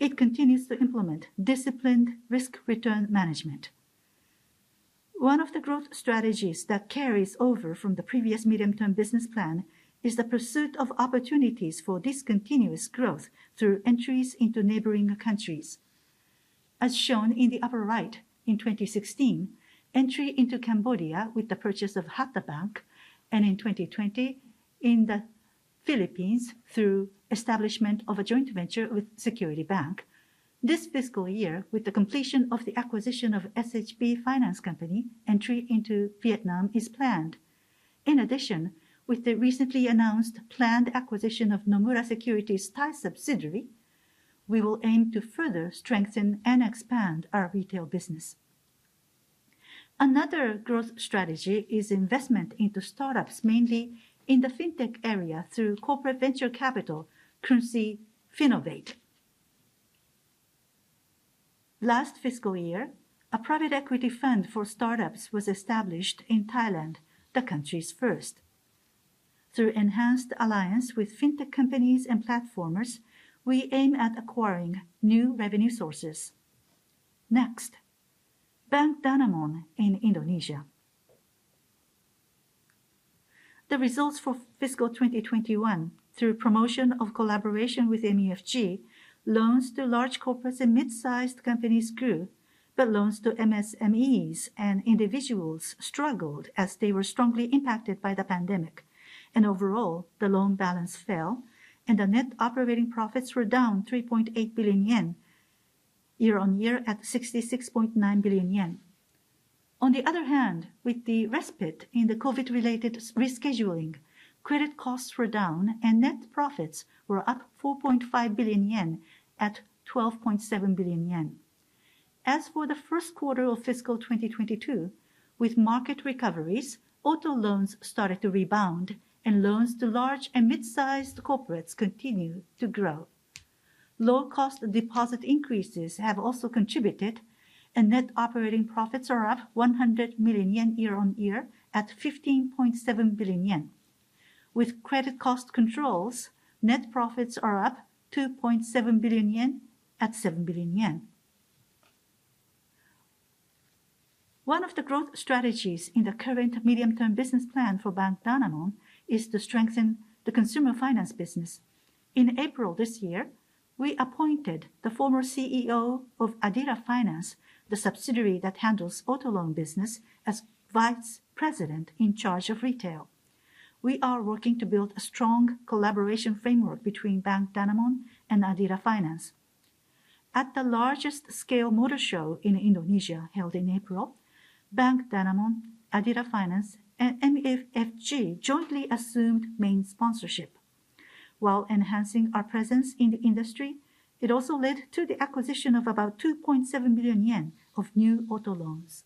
It continues to implement disciplined risk return management. One of the growth strategies that carries over from the previous medium term business plan is the pursuit of opportunities for discontinuous growth through entries into neighboring countries. As shown in the upper right, in 2016, entry into Cambodia with the purchase of Hattha Bank, and in 2020 in the Philippines through establishment of a joint venture with Security Bank. This fiscal year, with the completion of the acquisition of SHB Finance, entry into Vietnam is planned. In addition, with the recently announced planned acquisition of Capital Nomura Securities, we will aim to further strengthen and expand our retail business. Another growth strategy is investment into startups, mainly in the fintech area through corporate venture capital, Krungsri Finnovate. Last fiscal year, a private equity fund for startups was established in Thailand, the country's first. Through enhanced alliance with fintech companies and platformers, we aim at acquiring new revenue sources. Next, Bank Danamon in Indonesia. The results for fiscal 2021 through promotion of collaboration with MUFG, loans to large corporates and mid-sized companies grew, but loans to MSMEs and individuals struggled as they were strongly impacted by the pandemic. Overall, the loan balance fell and the net operating profits were down 3.8 billion yen year-on-year at 66.9 billion yen. On the other hand, with the respite in the COVID-related rescheduling, credit costs were down and net profits were up 4.5 billion yen at 12.7 billion yen. As for the first quarter of fiscal 2022, with market recoveries, auto loans started to rebound and loans to large and mid-sized corporates continue to grow. Low-cost deposit increases have also contributed, and net operating profits are up 100 million yen year-on-year at 15.7 billion yen. With credit cost controls, net profits are up 2.7 billion yen at 7 billion yen. One of the growth strategies in the current medium term business plan for Bank Danamon is to strengthen the consumer finance business. In April this year, we appointed the former CEO of Adira Finance, the subsidiary that handles auto loan business, as vice president in charge of retail. We are working to build a strong collaboration framework between Bank Danamon and Adira Finance. At the largest scale motor show in Indonesia held in April, Bank Danamon, Adira Finance, and MUFG jointly assumed main sponsorship. While enhancing our presence in the industry, it also led to the acquisition of about 2.7 billion yen of new auto loans.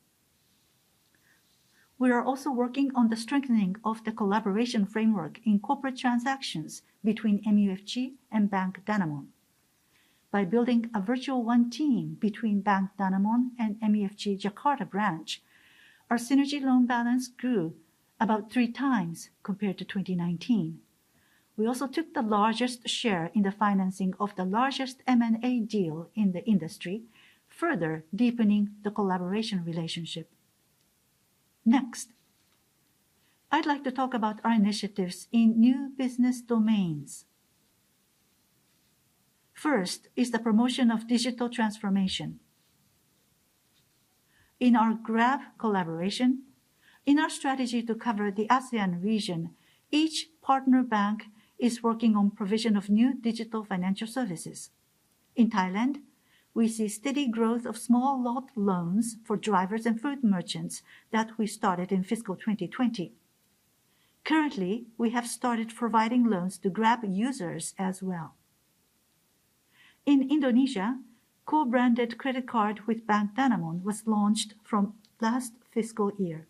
We are also working on the strengthening of the collaboration framework in corporate transactions between MUFG and Bank Danamon. By building a virtual one-team between Bank Danamon and MUFG Jakarta branch, our synergy loan balance grew about three times compared to 2019. We also took the largest share in the financing of the largest M&A deal in the industry, further deepening the collaboration relationship. Next, I'd like to talk about our initiatives in new business domains. First is the promotion of digital transformation. In our Grab collaboration, in our strategy to cover the ASEAN region, each partner bank is working on provision of new digital financial services. In Thailand, we see steady growth of small lot loans for drivers and food merchants that we started in fiscal 2020. Currently, we have started providing loans to Grab users as well. In Indonesia, co-branded credit card with Bank Danamon was launched from last fiscal year.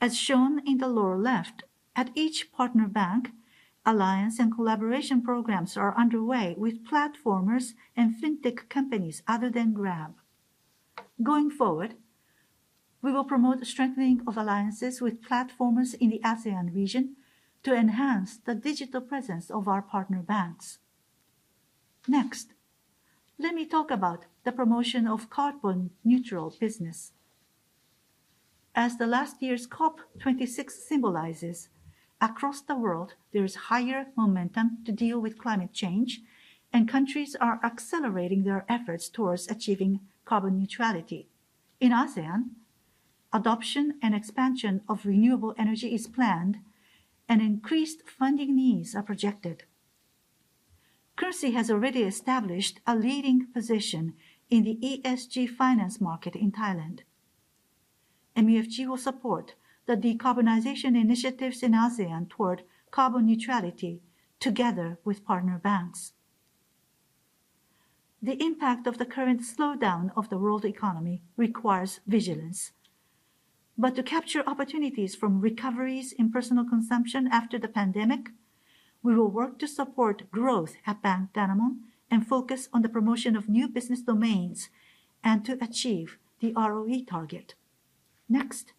As shown in the lower left, at each partner bank, alliance and collaboration programs are underway with platformers and fintech companies other than Grab. Going forward, we will promote the strengthening of alliances with platformers in the ASEAN region to enhance the digital presence of our partner banks. Next, let me talk about the promotion of carbon neutral business. As the last year's COP26 symbolizes, across the world, there is higher momentum to deal with climate change, and countries are accelerating their efforts towards achieving carbon neutrality. In ASEAN, adoption and expansion of renewable energy is planned and increased funding needs are projected. Krungsri has already established a leading position in the ESG finance market in Thailand. MUFG will support the decarbonization initiatives in ASEAN toward carbon neutrality together with partner banks. The impact of the current slowdown of the world economy requires vigilance. To capture opportunities from recoveries in personal consumption after the pandemic, we will work to support growth at Bank Danamon and focus on the promotion of new business domains and to achieve the ROE target. Next,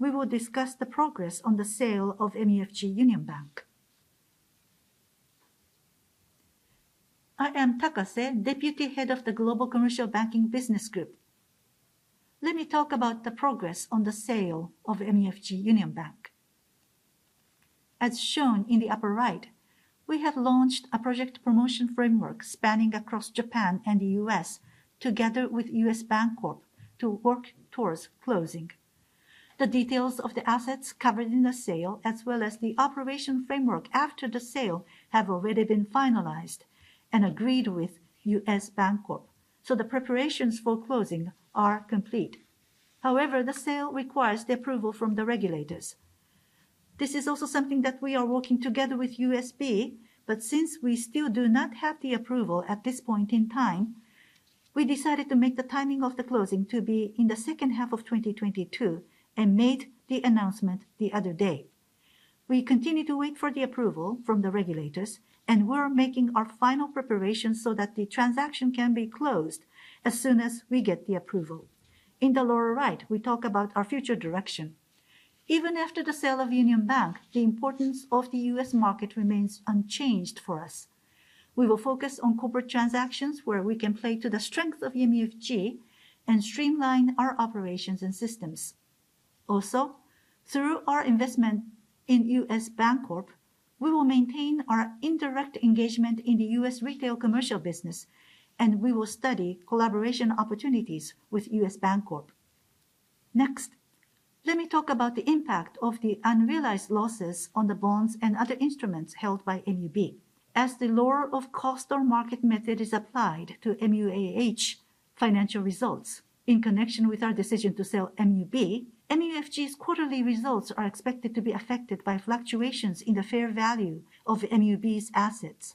we will discuss the progress on the sale of MUFG Union Bank. I am Takase, Deputy Head of the Global Commercial Banking Business Group. Let me talk about the progress on the sale of MUFG Union Bank. As shown in the upper right, we have launched a project promotion framework spanning across Japan and the U.S. together with U.S. Bancorp to work towards closing. The details of the assets covered in the sale, as well as the operation framework after the sale, have already been finalized and agreed with U.S. Bancorp, so the preparations for closing are complete. However, the sale requires the approval from the regulators. This is also something that we are working together with U.S. Bancorp, but since we still do not have the approval at this point in time, we decided to make the timing of the closing to be in the second half of 2022 and made the announcement the other day. We continue to wait for the approval from the regulators, and we're making our final preparations so that the transaction can be closed as soon as we get the approval. In the lower right, we talk about our future direction. Even after the sale of MUFG Union Bank, the importance of the U.S. market remains unchanged for us. We will focus on corporate transactions where we can play to the strength of MUFG and streamline our operations and systems. Also, through our investment in U.S. Bancorp, we will maintain our indirect engagement in the U.S. retail commercial business, and we will study collaboration opportunities with U.S. Bancorp. Next, let me talk about the impact of the unrealized losses on the bonds and other instruments held by MUB. As the lower of cost or market method is applied to MUAH financial results in connection with our decision to sell MUB, MUFG's quarterly results are expected to be affected by fluctuations in the fair value of MUB's assets.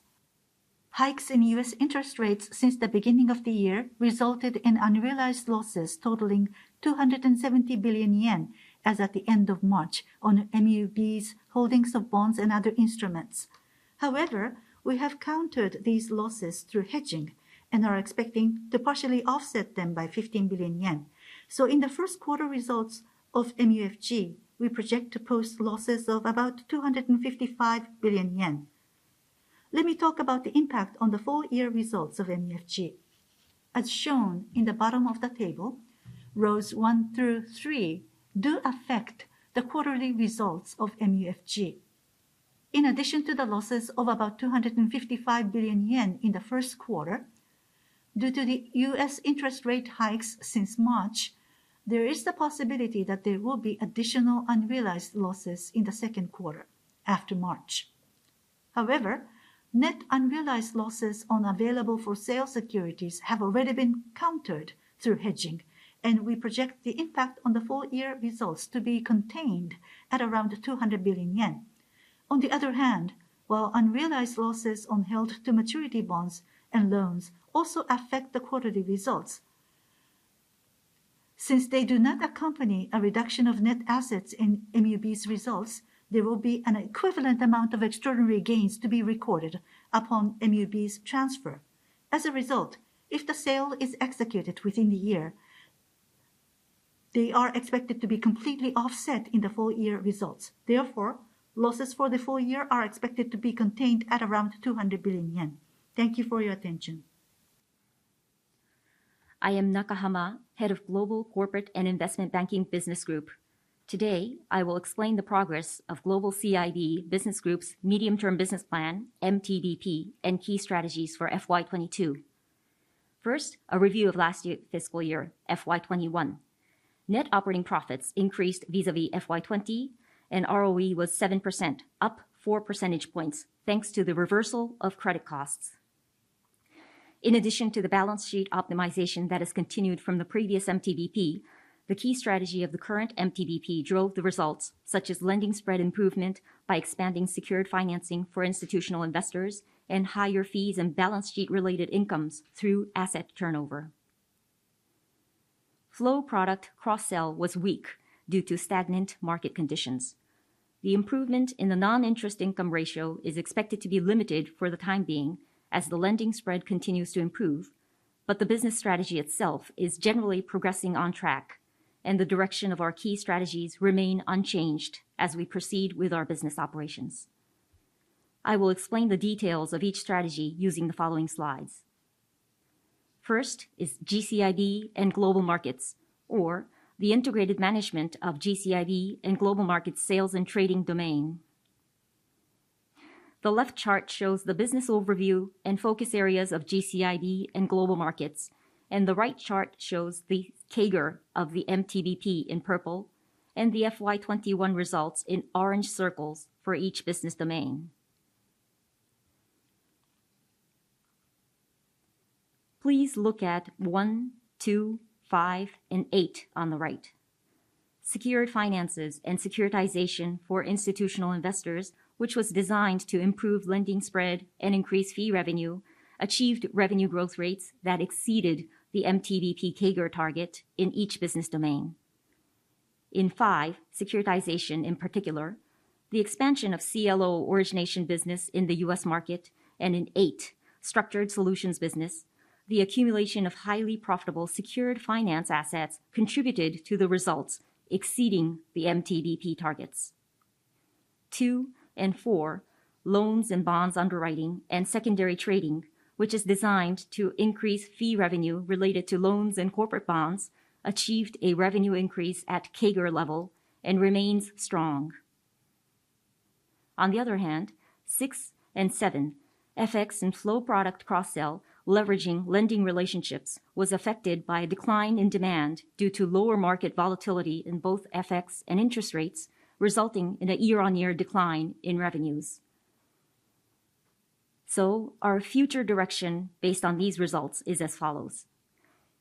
Hikes in U.S. interest rates since the beginning of the year resulted in unrealized losses totaling 270 billion yen as at the end of March on MUB's holdings of bonds and other instruments. However, we have countered these losses through hedging and are expecting to partially offset them by 15 billion yen. In the first quarter results of MUFG, we project to post losses of about 255 billion yen. Let me talk about the impact on the full year results of MUFG. As shown in the bottom of the table, rows one through three do affect the quarterly results of MUFG. In addition to the losses of about 255 billion yen in the first quarter, due to the U.S. interest rate hikes since March, there is the possibility that there will be additional unrealized losses in the second quarter after March. However, net unrealized losses on available-for-sale securities have already been countered through hedging, and we project the impact on the full year results to be contained at around 200 billion yen. On the other hand, while unrealized losses on held-to-maturity bonds and loans also affect the quarterly results, since they do not accompany a reduction of net assets in MUB's results, there will be an equivalent amount of extraordinary gains to be recorded upon MUB's transfer. As a result, if the sale is executed within the year, they are expected to be completely offset in the full year results. Therefore, losses for the full year are expected to be contained at around 200 billion yen. Thank you for your attention. I am Nakahama, Head of Global Corporate and Investment Banking Business Group. Today, I will explain the progress of Global CIB Business Group's Medium-Term Business Plan, MTBP, and key strategies for FY 2022. First, a review of last year's fiscal year, FY 2021. Net operating profits increased vis-à-vis FY 2020, and ROE was 7%, up four percentage points, thanks to the reversal of credit costs. In addition to the balance sheet optimization that has continued from the previous MTBP, the key strategy of the current MTBP drove the results, such as lending spread improvement by expanding secured financing for institutional investors and higher fees and balance sheet-related incomes through asset turnover. Flow product cross-sell was weak due to stagnant market conditions. The improvement in the non-interest income ratio is expected to be limited for the time being as the lending spread continues to improve, but the business strategy itself is generally progressing on track, and the direction of our key strategies remain unchanged as we proceed with our business operations. I will explain the details of each strategy using the following slides. First is GCIB and Global Markets, or the integrated management of GCIB and Global Markets' sales and trading domain. The left chart shows the business overview and focus areas of GCIB and Global Markets, and the right chart shows the CAGR of the MTBP in purple and the FY 2021 results in orange circles for each business domain. Please look at one, two, five and eight on the right. Secured finances and securitization for institutional investors, which was designed to improve lending spread and increase fee revenue, achieved revenue growth rates that exceeded the MTBP CAGR target in each business domain. In five, securitization in particular, the expansion of CLO origination business in the U.S. market, and in eght, structured solutions business, the accumulation of highly profitable secured finance assets contributed to the results exceeding the MTBP targets.two and four, loans and bonds underwriting and secondary trading, which is designed to increase fee revenue related to loans and corporate bonds, achieved a revenue increase at CAGR level and remains strong. On the other hand, six and seven, FX and flow product cross-sell, leveraging lending relationships, was affected by a decline in demand due to lower market volatility in both FX and interest rates, resulting in a year-on-year decline in revenues. Our future direction based on these results is as follows.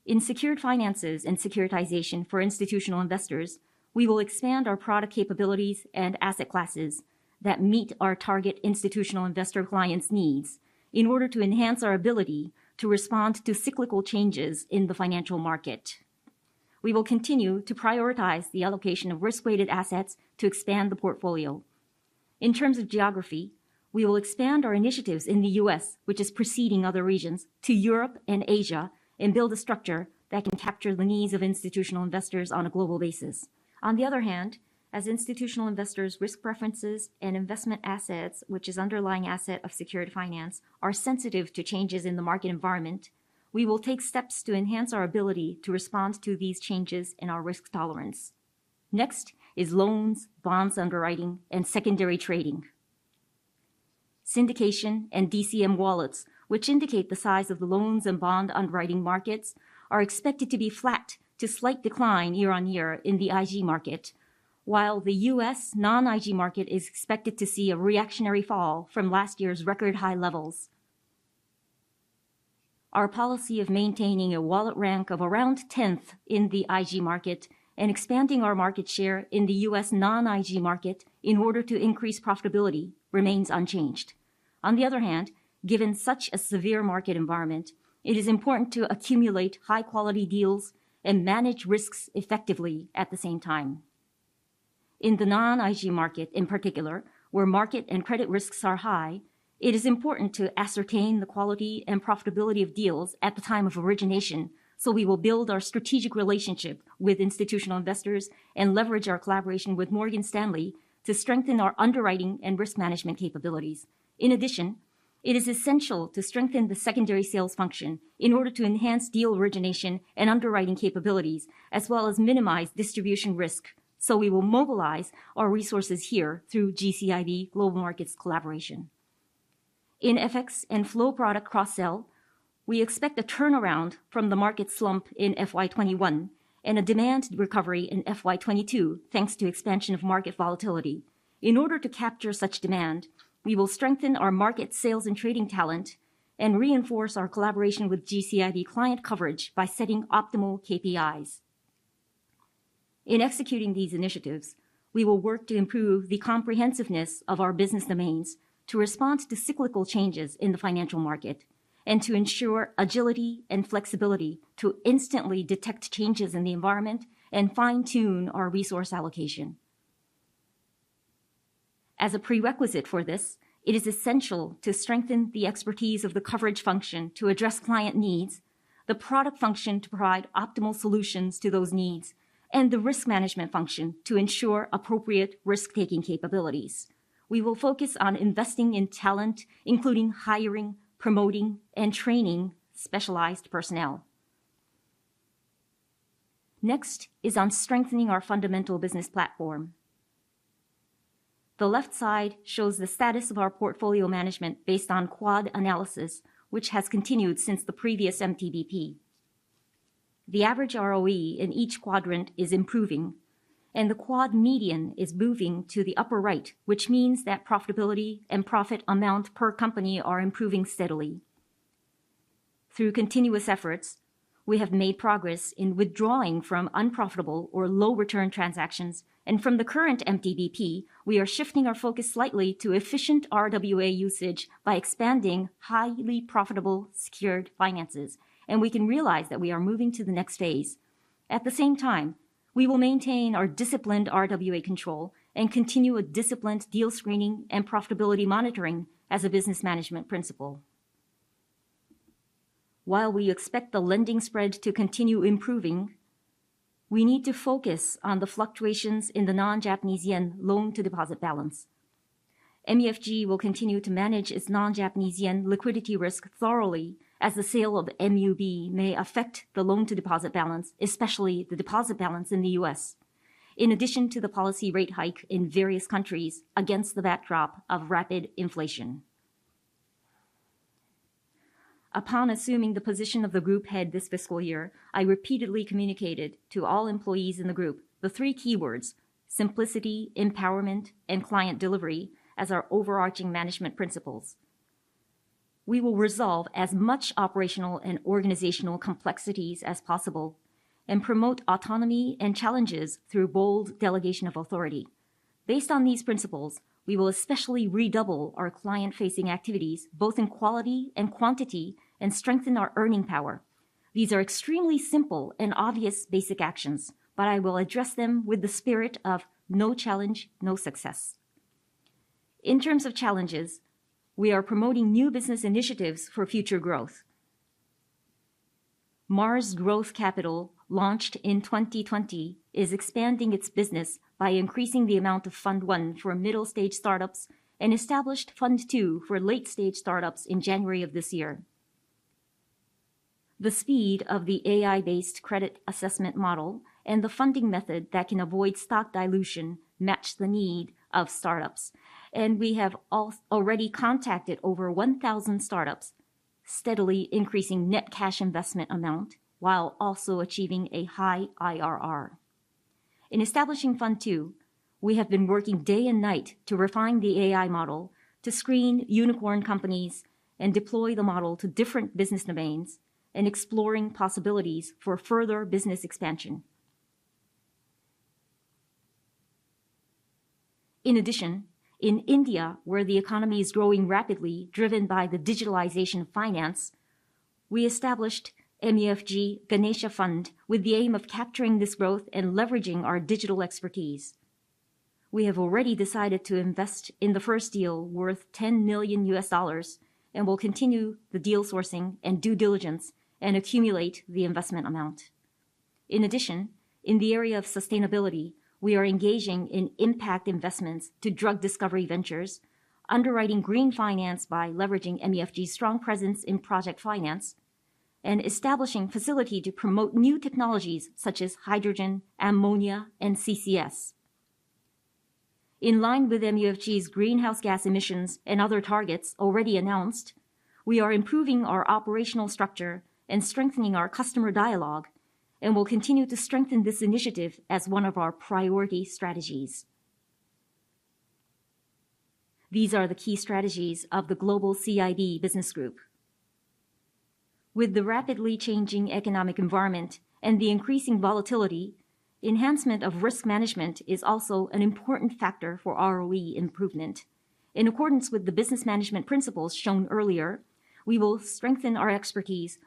In secured finance and securitization for institutional investors, we will expand our product capabilities and asset classes that meet our target institutional investor clients' needs in order to enhance our ability to respond to cyclical changes in the financial market. We will continue to prioritize the allocation of risk-weighted assets to expand the portfolio. In terms of geography, we will expand our initiatives in the U.S., which is preceding other regions, to Europe and Asia and build a structure that can capture the needs of institutional investors on a global basis. On the other hand, as institutional investors' risk preferences and investment assets, which is underlying asset of secured finance, are sensitive to changes in the market environment, we will take steps to enhance our ability to respond to these changes in our risk tolerance. Next is loans, bonds underwriting, and secondary trading. Syndication and DCM wallets, which indicate the size of the loans and bond underwriting markets, are expected to be flat to slight decline year-over-year in the IG market. While the US non-IG market is expected to see a reactionary fall from last year's record-high levels. Our policy of maintaining a wallet rank of around tenth in the IG market and expanding our market share in the US non-IG market in order to increase profitability remains unchanged. On the other hand, given such a severe market environment, it is important to accumulate high-quality deals and manage risks effectively at the same time. In the non-IG market, in particular, where market and credit risks are high, it is important to ascertain the quality and profitability of deals at the time of origination, so we will build our strategic relationship with institutional investors and leverage our collaboration with Morgan Stanley to strengthen our underwriting and risk management capabilities. In addition, it is essential to strengthen the secondary sales function in order to enhance deal origination and underwriting capabilities, as well as minimize distribution risk, so we will mobilize our resources here through GCIB/Global Markets collaboration. In FX and flow product cross-sell, we expect a turnaround from the market slump in FY2021 and a demand recovery in FY2022, thanks to expansion of market volatility. In order to capture such demand, we will strengthen our market sales and trading talent and reinforce our collaboration with GCIB client coverage by setting optimal KPIs. In executing these initiatives, we will work to improve the comprehensiveness of our business domains to respond to cyclical changes in the financial market and to ensure agility and flexibility to instantly detect changes in the environment and fine-tune our resource allocation. As a prerequisite for this, it is essential to strengthen the expertise of the coverage function to address client needs, the product function to provide optimal solutions to those needs, and the risk management function to ensure appropriate risk-taking capabilities. We will focus on investing in talent, including hiring, promoting, and training specialized personnel. Next is on strengthening our fundamental business platform. The left side shows the status of our portfolio management based on Quad Analysis, which has continued since the previous MTBP. The average ROE in each quadrant is improving, and the QUAD median is moving to the upper right, which means that profitability and profit amount per company are improving steadily. Through continuous efforts, we have made progress in withdrawing from unprofitable or low-return transactions, and from the current MTBP, we are shifting our focus slightly to efficient RWA usage by expanding highly profitable secured finances, and we can realize that we are moving to the next phase. At the same time, we will maintain our disciplined RWA control and continue with disciplined deal screening and profitability monitoring as a business management principle. While we expect the lending spread to continue improving, we need to focus on the fluctuations in the non-Japanese yen loan-to-deposit balance. MUFG will continue to manage its non-Japanese yen liquidity risk thoroughly as the sale of MUB may affect the loan-to-deposit balance, especially the deposit balance in the U.S., in addition to the policy rate hike in various countries against the backdrop of rapid inflation. Upon assuming the position of the group head this fiscal year, I repeatedly communicated to all employees in the group the three keywords, simplicity, empowerment, and client delivery, as our overarching management principles. We will resolve as much operational and organizational complexities as possible and promote autonomy and challenges through bold delegation of authority. Based on these principles, we will especially redouble our client-facing activities, both in quality and quantity, and strengthen our earning power. These are extremely simple and obvious basic actions, but I will address them with the spirit of no challenge, no success. In terms of challenges, we are promoting new business initiatives for future growth. Mars Growth Capital, launched in 2020, is expanding its business by increasing the amount of Fund 1 for middle stage startups and established Fund 2 for late stage startups in January of this year. The speed of the AI-based credit assessment model and the funding method that can avoid stock dilution match the need of startups, and we have already contacted over 1,000 startups, steadily increasing net cash investment amount while also achieving a high IRR. In establishing Fund 2, we have been working day and night to refine the AI model to screen unicorn companies and deploy the model to different business domains and exploring possibilities for further business expansion. In addition, in India, where the economy is growing rapidly, driven by the digitalization of finance, we established MUFG Ganesha Fund with the aim of capturing this growth and leveraging our digital expertise. We have already decided to invest in the first deal worth $10 million and will continue the deal sourcing and due diligence and accumulate the investment amount. In addition, in the area of sustainability, we are engaging in impact investments to drug discovery ventures, underwriting green finance by leveraging MUFG's strong presence in project finance, and establishing facility to promote new technologies such as hydrogen, ammonia, and CCS. In line with MUFG's greenhouse gas emissions and other targets already announced, we are improving our operational structure and strengthening our customer dialogue, and will continue to strengthen this initiative as one of our priority strategies. These are the key strategies of the global CIB business group. With the rapidly changing economic environment and the increasing volatility, enhancement of risk management is also an important factor for ROE improvement. In accordance with the business management principles shown earlier, we will strengthen our expertise,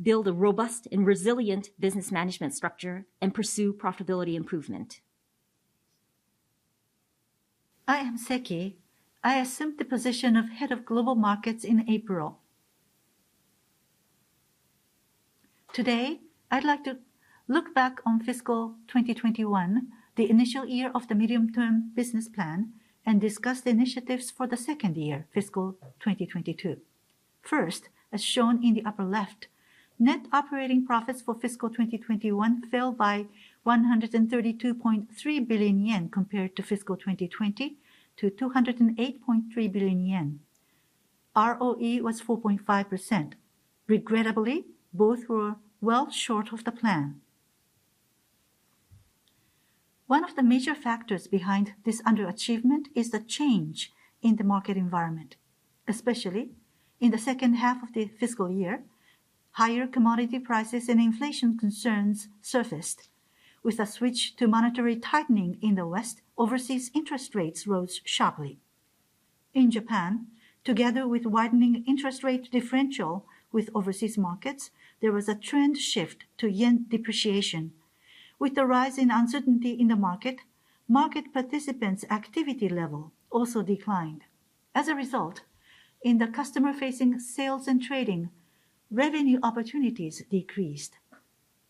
build a robust and resilient business management structure, and pursue profitability improvement. I am Seki. I assumed the position of Head of Global Markets in April. Today, I'd like to look back on fiscal 2021, the initial year of the medium-term business plan, and discuss the initiatives for the second year, fiscal 2022. First, as shown in the upper left, net operating profits for fiscal 2021 fell by 132.3 billion yen compared to fiscal 2020 to 208.3 billion yen. ROE was 4.5%. Regrettably, both were well short of the plan. One of the major factors behind this underachievement is the change in the market environment, especially in the second half of the fiscal year. Higher commodity prices and inflation concerns surfaced. With a switch to monetary tightening in the West, overseas interest rates rose sharply. In Japan, together with widening interest rate differential with overseas markets, there was a trend shift to yen depreciation. With the rise in uncertainty in the market participants' activity level also declined. As a result, in the customer-facing sales and trading, revenue opportunities decreased.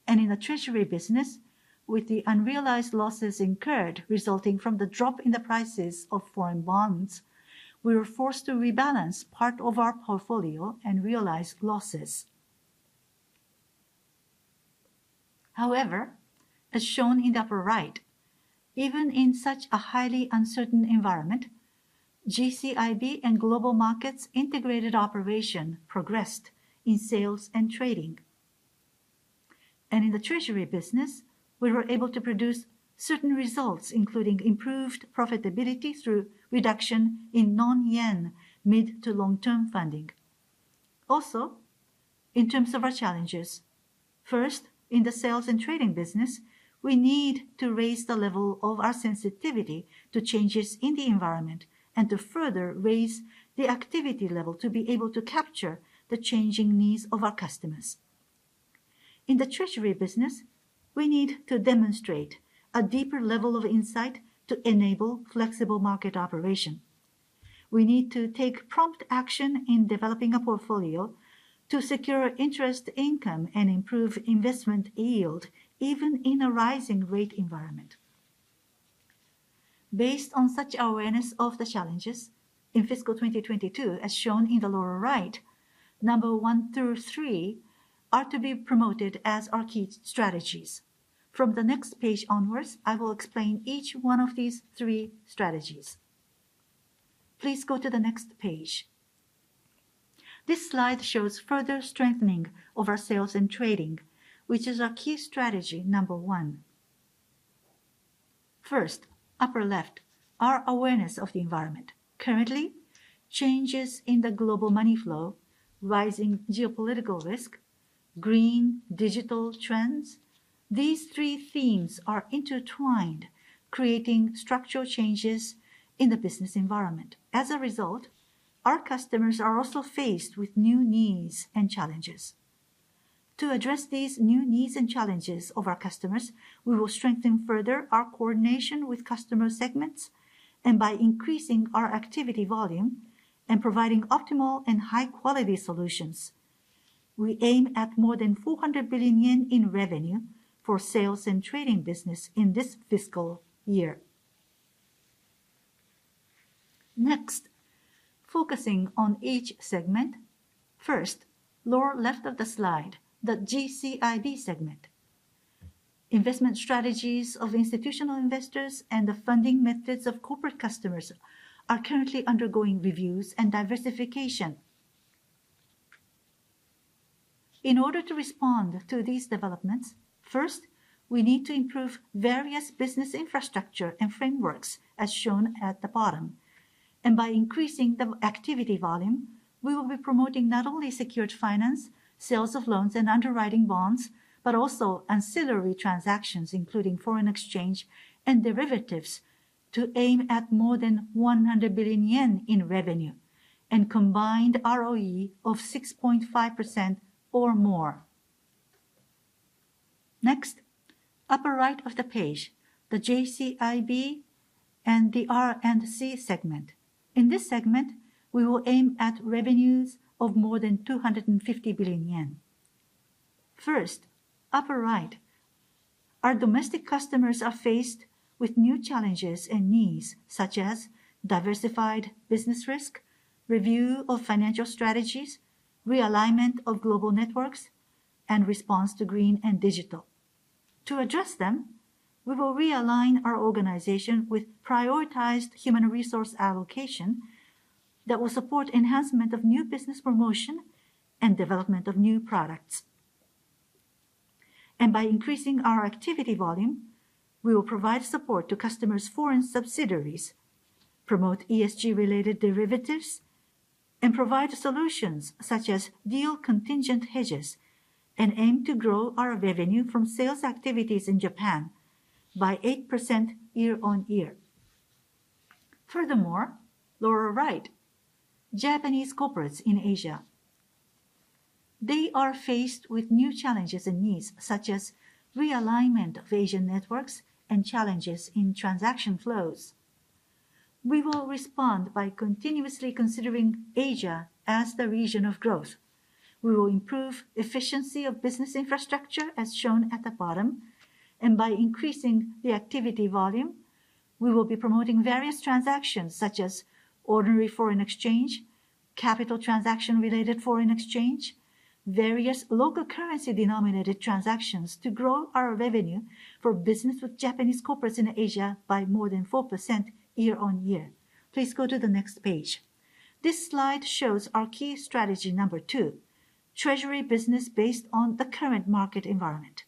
In the treasury business, with the unrealized losses incurred resulting from the drop in the prices of foreign bonds, we were forced to rebalance part of our portfolio and realize losses. However, as shown in the upper right, even in such a highly uncertain environment, GCIB and Global Markets' integrated operation progressed in sales and trading. In the treasury business, we were able to produce certain results, including improved profitability through reduction in non-yen mid to long-term funding. Also, in terms of our challenges, first, in the sales and trading business, we need to raise the level of our sensitivity to changes in the environment and to further raise the activity level to be able to capture the changing needs of our customers. In the treasury business, we need to demonstrate a deeper level of insight to enable flexible market operation. We need to take prompt action in developing a portfolio to secure interest income and improve investment yield, even in a rising rate environment. Based on such awareness of the challenges, in fiscal 2022, as shown in the lower right, numbers one through three are to be promoted as our key strategies. From the next page onwards, I will explain each one of these three strategies. Please go to the next page. This slide shows further strengthening of our sales and trading, which is our key strategy number one. First, upper left, our awareness of the environment. Currently, changes in the global money flow, rising geopolitical risk, green digital trends, these three themes are intertwined, creating structural changes in the business environment. As a result, our customers are also faced with new needs and challenges. To address these new needs and challenges of our customers, we will strengthen further our coordination with customer segments and by increasing our activity volume and providing optimal and high-quality solutions. We aim at more than 400 billion yen in revenue for sales and trading business in this fiscal year. Next, focusing on each segment. First, lower left of the slide, the GCIB segment. Investment strategies of institutional investors and the funding methods of corporate customers are currently undergoing reviews and diversification. In order to respond to these developments, first, we need to improve various business infrastructure and frameworks, as shown at the bottom. By increasing the activity volume, we will be promoting not only secured finance, sales of loans, and underwriting bonds, but also ancillary transactions, including foreign exchange and derivatives, to aim at more than 100 billion yen in revenue and combined ROE of 6.5% or more. Next, upper right of the page, the GCIB and the R&C segment. In this segment, we will aim at revenues of more than 250 billion yen. First, upper right, our domestic customers are faced with new challenges and needs, such as diversified business risk, review of financial strategies, realignment of global networks, and response to green and digital. To address them, we will realign our organization with prioritized human resource allocation that will support enhancement of new business promotion and development of new products. By increasing our activity volume, we will provide support to customers' foreign subsidiaries, promote ESG-related derivatives, and provide solutions such as deal contingent hedges, and aim to grow our revenue from sales activities in Japan by 8% year-on-year. Furthermore, lower right, Japanese corporates in Asia, they are faced with new challenges and needs, such as realignment of Asian networks and challenges in transaction flows. We will respond by continuously considering Asia as the region of growth. We will improve efficiency of business infrastructure, as shown at the bottom, and by increasing the activity volume, we will be promoting various transactions such as ordinary foreign exchange, capital transaction-related foreign exchange, various local currency-denominated transactions to grow our revenue for business with Japanese corporates in Asia by more than 4% year-on-year. Please go to the next page. This slide shows our key strategy number two, treasury business based on the current market environment.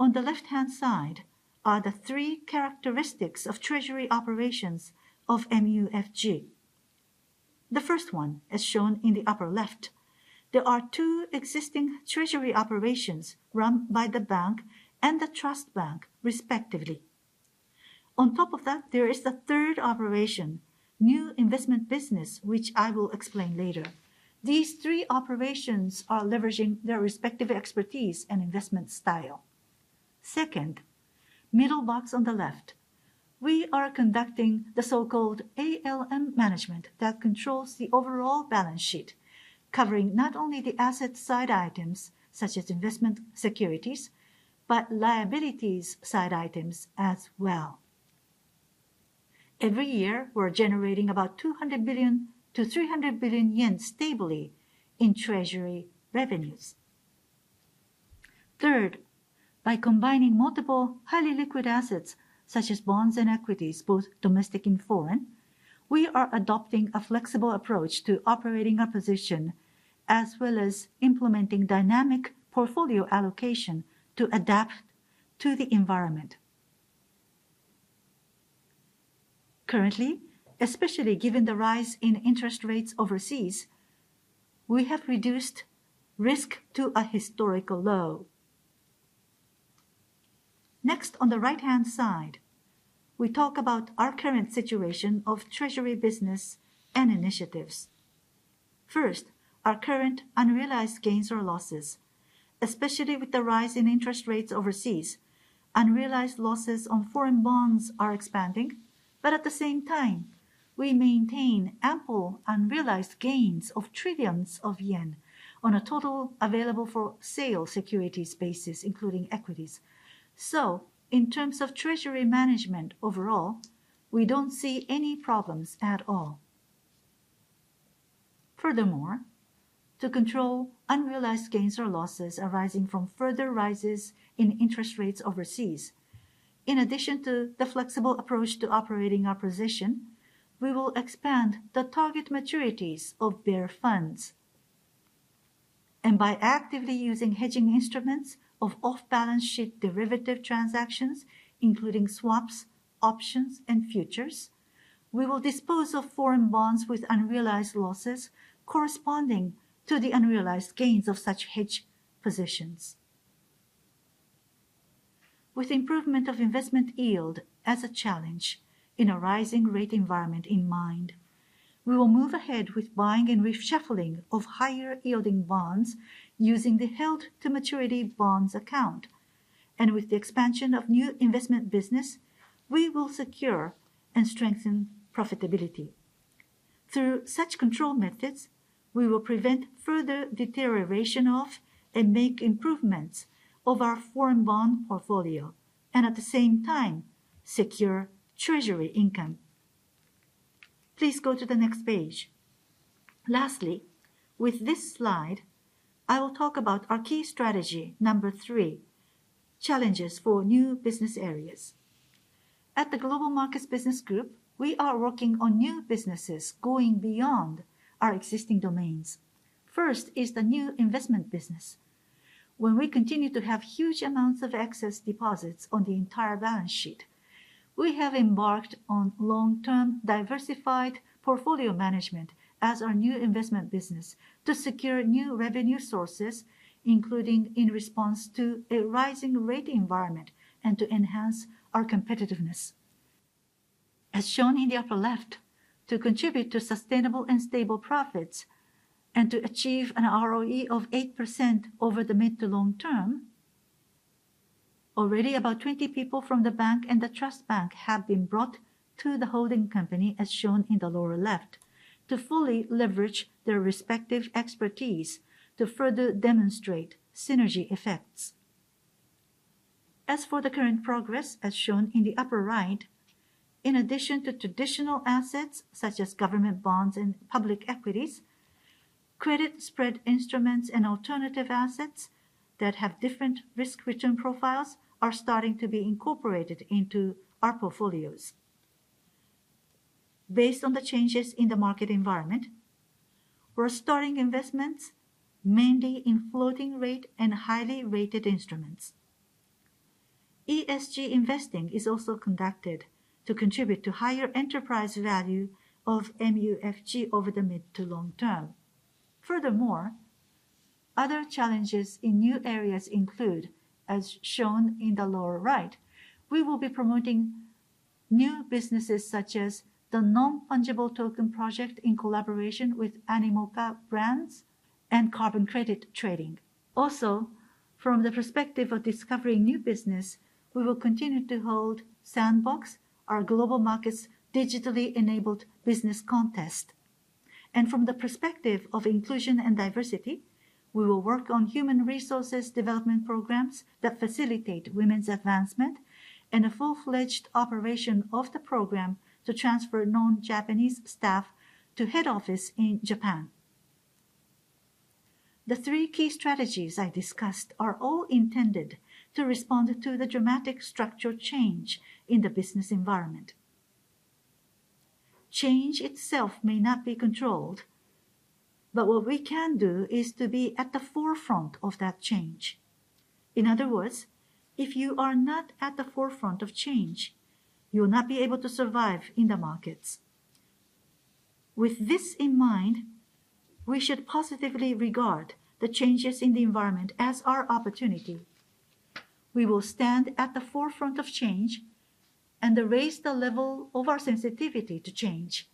On the left-hand side are the three characteristics of treasury operations of MUFG. The first one, as shown in the upper left, there are two existing treasury operations run by the bank and the trust bank, respectively. On top of that, there is the third operation, new investment business, which I will explain later. These three operations are leveraging their respective expertise and investment style. Second, middle box on the left, we are conducting the so-called ALM management that controls the overall balance sheet, covering not only the asset side items, such as investment securities, but liabilities side items as well. Every year, we're generating about 200 billion-300 billion yen stably in treasury revenues. Third, by combining multiple highly liquid assets such as bonds and equities, both domestic and foreign, we are adopting a flexible approach to operating our position, as well as implementing dynamic portfolio allocation to adapt to the environment. Currently, especially given the rise in interest rates overseas, we have reduced risk to a historical low. Next, on the right-hand side, we talk about our current situation of treasury business and initiatives. First, our current unrealized gains or losses, especially with the rise in interest rates overseas, unrealized losses on foreign bonds are expanding, but at the same time, we maintain ample unrealized gains of trillions yen on a total available-for-sale securities basis, including equities. In terms of treasury management overall, we don't see any problems at all. Furthermore, to control unrealized gains or losses arising from further rises in interest rates overseas, in addition to the flexible approach to operating our position, we will expand the target maturities of bear funds. By actively using hedging instruments of off-balance-sheet derivative transactions, including swaps, options, and futures, we will dispose of foreign bonds with unrealized losses corresponding to the unrealized gains of such hedge positions. With improvement of investment yield as a challenge in a rising rate environment in mind, we will move ahead with buying and reshuffling of higher-yielding bonds using the held-to-maturity bonds account. With the expansion of new investment business, we will secure and strengthen profitability. Through such control methods, we will prevent further deterioration of and make improvements of our foreign bond portfolio, and at the same time, secure treasury income. Please go to the next page. Lastly, with this slide, I will talk about our key strategy number three, challenges for new business areas. At the Global Markets Business Group, we are working on new businesses going beyond our existing domains. First is the new investment business. When we continue to have huge amounts of excess deposits on the entire balance sheet, we have embarked on long-term diversified portfolio management as our new investment business to secure new revenue sources, including in response to a rising rate environment and to enhance our competitiveness. As shown in the upper left, to contribute to sustainable and stable profits and to achieve an ROE of 8% over the mid to long term, already about 20 people from the bank and the trust bank have been brought to the holding company, as shown in the lower left, to fully leverage their respective expertise to further demonstrate synergy effects. As for the current progress, as shown in the upper right, in addition to traditional assets such as government bonds and public equities, credit spread instruments and alternative assets that have different risk-return profiles are starting to be incorporated into our portfolios. Based on the changes in the market environment, we're starting investments mainly in floating rate and highly rated instruments. ESG investing is also conducted to contribute to higher enterprise value of MUFG over the mid to long term. Furthermore, other challenges in new areas include, as shown in the lower right, we will be promoting new businesses such as the non-fungible token project in collaboration with Animoca Brands and carbon credit trading. Also, from the perspective of discovering new business, we will continue to hold Sandbox, our global markets digitally enabled business contest. From the perspective of inclusion and diversity, we will work on human resources development programs that facilitate women's advancement and a full-fledged operation of the program to transfer non-Japanese staff to head office in Japan. The three key strategies I discussed are all intended to respond to the dramatic structural change in the business environment. Change itself may not be controlled, but what we can do is to be at the forefront of that change. In other words, if you are not at the forefront of change, you will not be able to survive in the markets. With this in mind, we should positively regard the changes in the environment as our opportunity. We will stand at the forefront of change and raise the level of our sensitivity to change.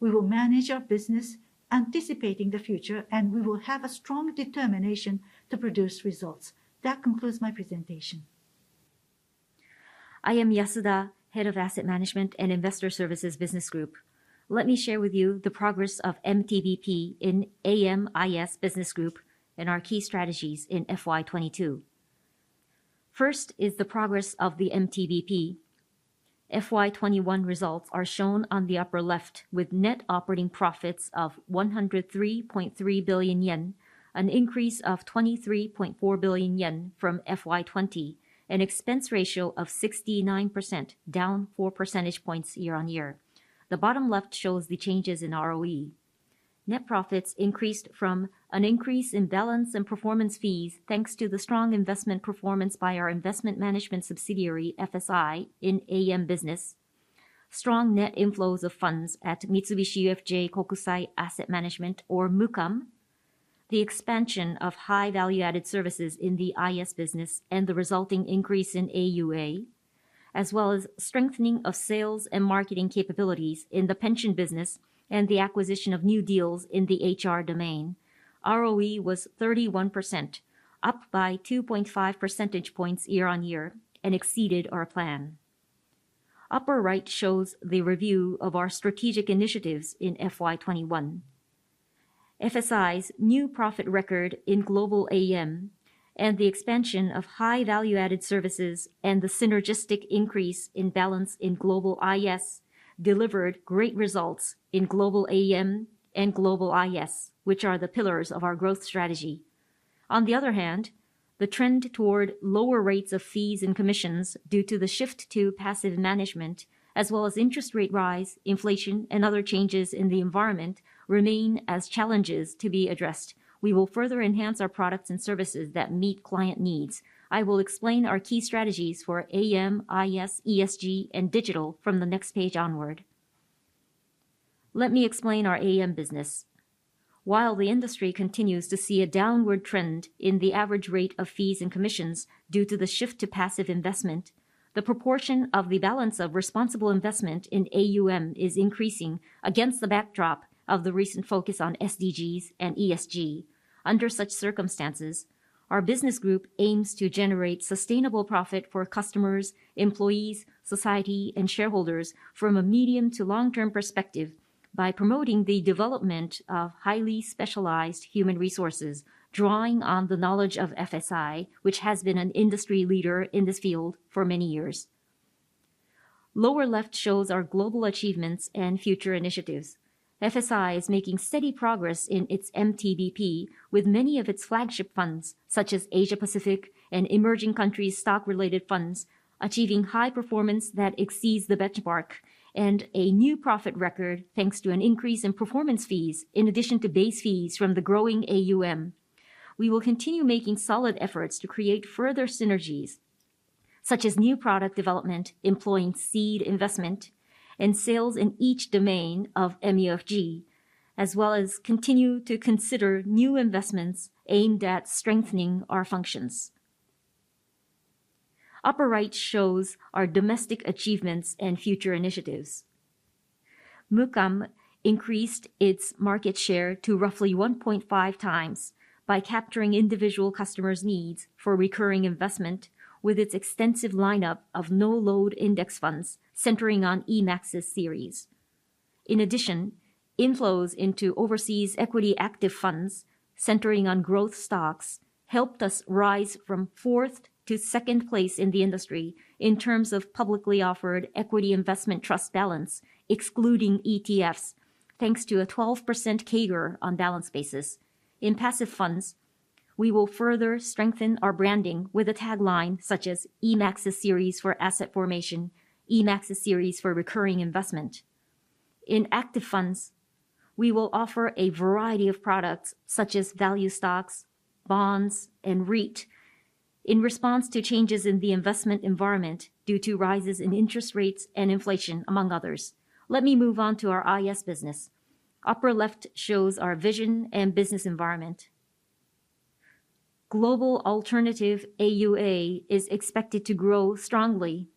We will manage our business anticipating the future, and we will have a strong determination to produce results. That concludes my presentation. I am Yasuda, Head of Asset Management and Investor Services Business Group. Let me share with you the progress of MTBP in AMIS Business Group and our key strategies in FY 2022. First is the progress of the MTBP. FY 2021 results are shown on the upper left with net operating profits of 103.3 billion yen, an increase of 23.4 billion yen from FY 2020, an expense ratio of 69%, down four percentage points year-on-year. The bottom left shows the changes in ROE. Net profits increased from an increase in balance and performance fees, thanks to the strong investment performance by our investment management subsidiary, FSI, in AM business, strong net inflows of funds at Mitsubishi UFJ Kokusai Asset Management, or MUKAM, the expansion of high-value-added services in the IS business and the resulting increase in AUA, as well as strengthening of sales and marketing capabilities in the pension business and the acquisition of new deals in the HR domain. ROE was 31%, up by 2.5 percentage points year-on-year, and exceeded our plan. Upper right shows the review of our strategic initiatives in FY 2021. FSI's new profit record in global AM and the expansion of high-value-added services and the synergistic increase in balance in global IS delivered great results in global AM and global IS, which are the pillars of our growth strategy. On the other hand, the trend toward lower rates of fees and commissions due to the shift to passive management, as well as interest rate rise, inflation, and other changes in the environment remain as challenges to be addressed. We will further enhance our products and services that meet client needs. I will explain our key strategies for AM, IS, ESG, and digital from the next page onward. Let me explain our AM business. While the industry continues to see a downward trend in the average rate of fees and commissions due to the shift to passive investment. The proportion of the balance of responsible investment in AUM is increasing against the backdrop of the recent focus on SDGs and ESG. Under such circumstances, our business group aims to generate sustainable profit for customers, employees, society, and shareholders from a medium to long-term perspective by promoting the development of highly specialized human resources, drawing on the knowledge of FSI, which has been an industry leader in this field for many years. Lower left shows our global achievements and future initiatives. FSI is making steady progress in its MTBP with many of its flagship funds, such as Asia Pacific and emerging countries stock-related funds, achieving high performance that exceeds the benchmark and a new profit record thanks to an increase in performance fees in addition to base fees from the growing AUM. We will continue making solid efforts to create further synergies, such as new product development, employing seed investment, and sales in each domain of MUFG, as well as continue to consider new investments aimed at strengthening our functions. Upper right shows our domestic achievements and future initiatives. MUKAM increased its market share to roughly 1.5x by capturing individual customers' needs for recurring investment with its extensive lineup of no-load index funds centering on eMAXIS Series. In addition, inflows into overseas equity active funds centering on growth stocks helped us rise from fourth to second place in the industry in terms of publicly offered equity investment trust balance, excluding ETFs, thanks to a 12% CAGR on balance basis. In passive funds, we will further strengthen our branding with a tagline such as eMAXIS Series for asset formation, eMAXIS Series for recurring investment. In active funds, we will offer a variety of products such as value stocks, bonds, and REIT in response to changes in the investment environment due to rises in interest rates and inflation, among others. Let me move on to our IS business. Upper left shows our vision and business environment. Global alternative AUA is expected to grow strongly.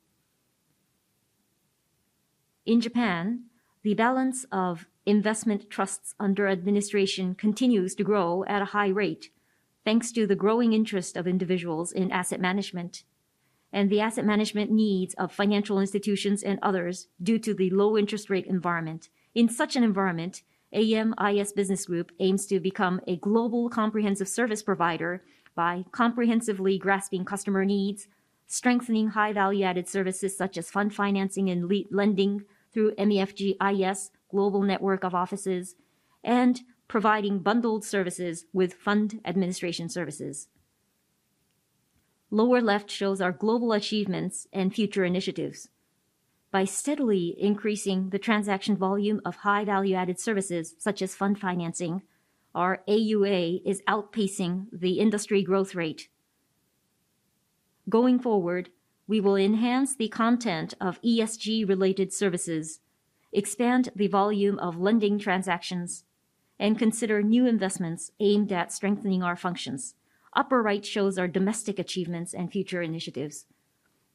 In Japan, the balance of investment trusts under administration continues to grow at a high rate, thanks to the growing interest of individuals in asset management and the asset management needs of financial institutions and others due to the low interest rate environment. In such an environment, AMIS Business Group aims to become a global comprehensive service provider by comprehensively grasping customer needs, strengthening high value-added services such as fund financing and lending through MUFG's global network of offices, and providing bundled services with fund administration services. Lower left shows our global achievements and future initiatives. By steadily increasing the transaction volume of high value-added services such as fund financing, our AUA is outpacing the industry growth rate. Going forward, we will enhance the content of ESG-related services, expand the volume of lending transactions, and consider new investments aimed at strengthening our functions. Upper right shows our domestic achievements and future initiatives.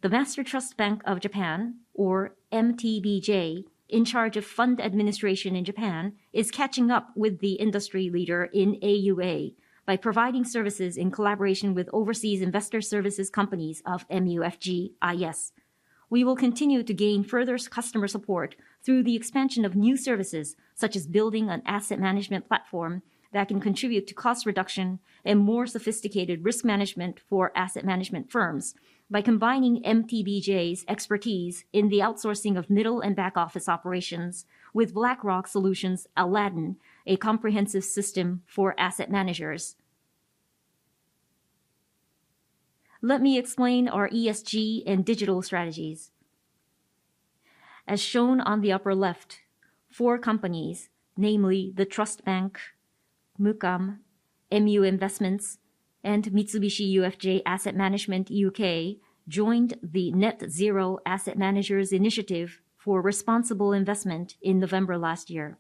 The Master Trust Bank of Japan, or MTBJ, in charge of fund administration in Japan, is catching up with the industry leader in AUA by providing services in collaboration with overseas investor services companies of MUFG IS. We will continue to gain further customer support through the expansion of new services, such as building an asset management platform that can contribute to cost reduction and more sophisticated risk management for asset management firms by combining MTBJ's expertise in the outsourcing of middle and back-office operations with BlackRock Solutions' Aladdin, a comprehensive system for asset managers. Let me explain our ESG and digital strategies. As shown on the upper left, four companies, namely The Trust Bank, MUKAM, MU Investments, and Mitsubishi UFJ Asset Management (UK) Ltd., joined the Net Zero Asset Managers initiative for responsible investment in November last year.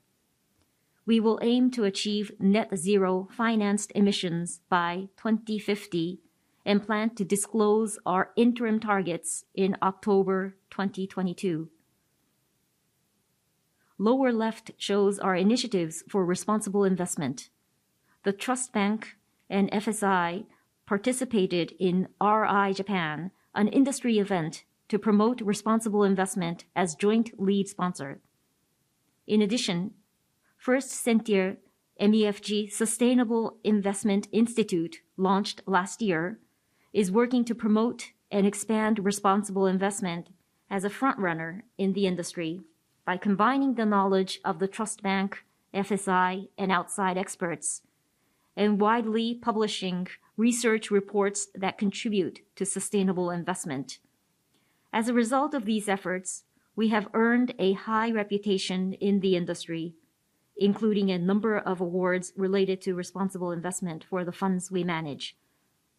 We will aim to achieve net zero financed emissions by 2050 and plan to disclose our interim targets in October 2022. The lower left shows our initiatives for responsible investment. The Trust Bank and FSI participated in RI Japan, an industry event to promote responsible investment as joint lead sponsor. First Sentier MUFG Sustainable Investment Institute, launched last year, is working to promote and expand responsible investment as a frontrunner in the industry by combining the knowledge of The Trust Bank, FSI, and outside experts, and widely publishing research reports that contribute to sustainable investment. As a result of these efforts, we have earned a high reputation in the industry, including a number of awards related to responsible investment for the funds we manage.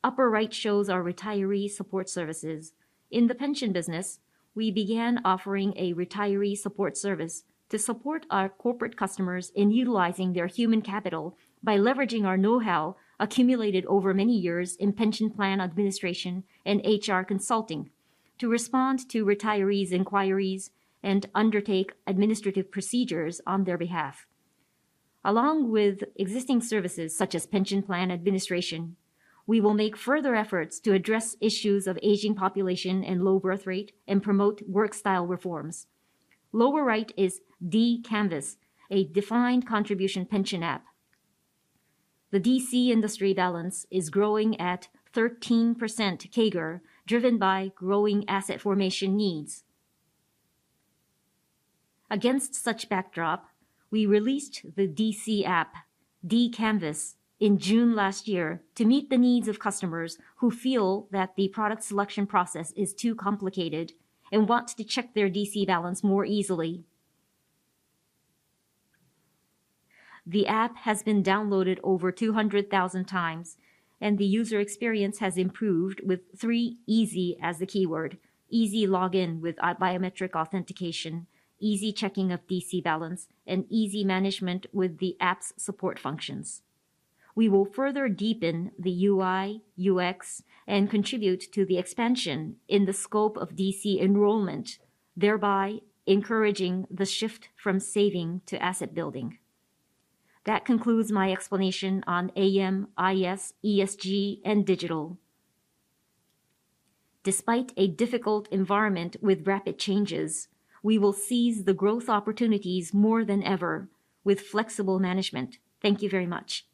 Upper right shows our retiree support services. In the pension business, we began offering a retiree support service to support our corporate customers in utilizing their human capital by leveraging our know-how accumulated over many years in pension plan administration and HR consulting to respond to retirees' inquiries and undertake administrative procedures on their behalf. Along with existing services such as pension plan administration, we will make further efforts to address issues of aging population and low birth rate and promote work style reforms. Lower right is D-Canvas, a defined contribution pension app. The DC industry balance is growing at 13% CAGR, driven by growing asset formation needs. Against such backdrop, we released the DC app, D-Canvas, in June last year to meet the needs of customers who feel that the product selection process is too complicated and want to check their DC balance more easily. The app has been downloaded over 200,000x, and the user experience has improved with three easys as the keyword, easy login with biometric authentication, easy checking of DC balance, and easy management with the app's support functions. We will further deepen the UI/UX and contribute to the expansion in the scope of DC enrollment, thereby encouraging the shift from saving to asset building. That concludes my explanation on AM & IS, ESG, and digital. Despite a difficult environment with rapid changes, we will seize the growth opportunities more than ever with flexible management. Thank you very much.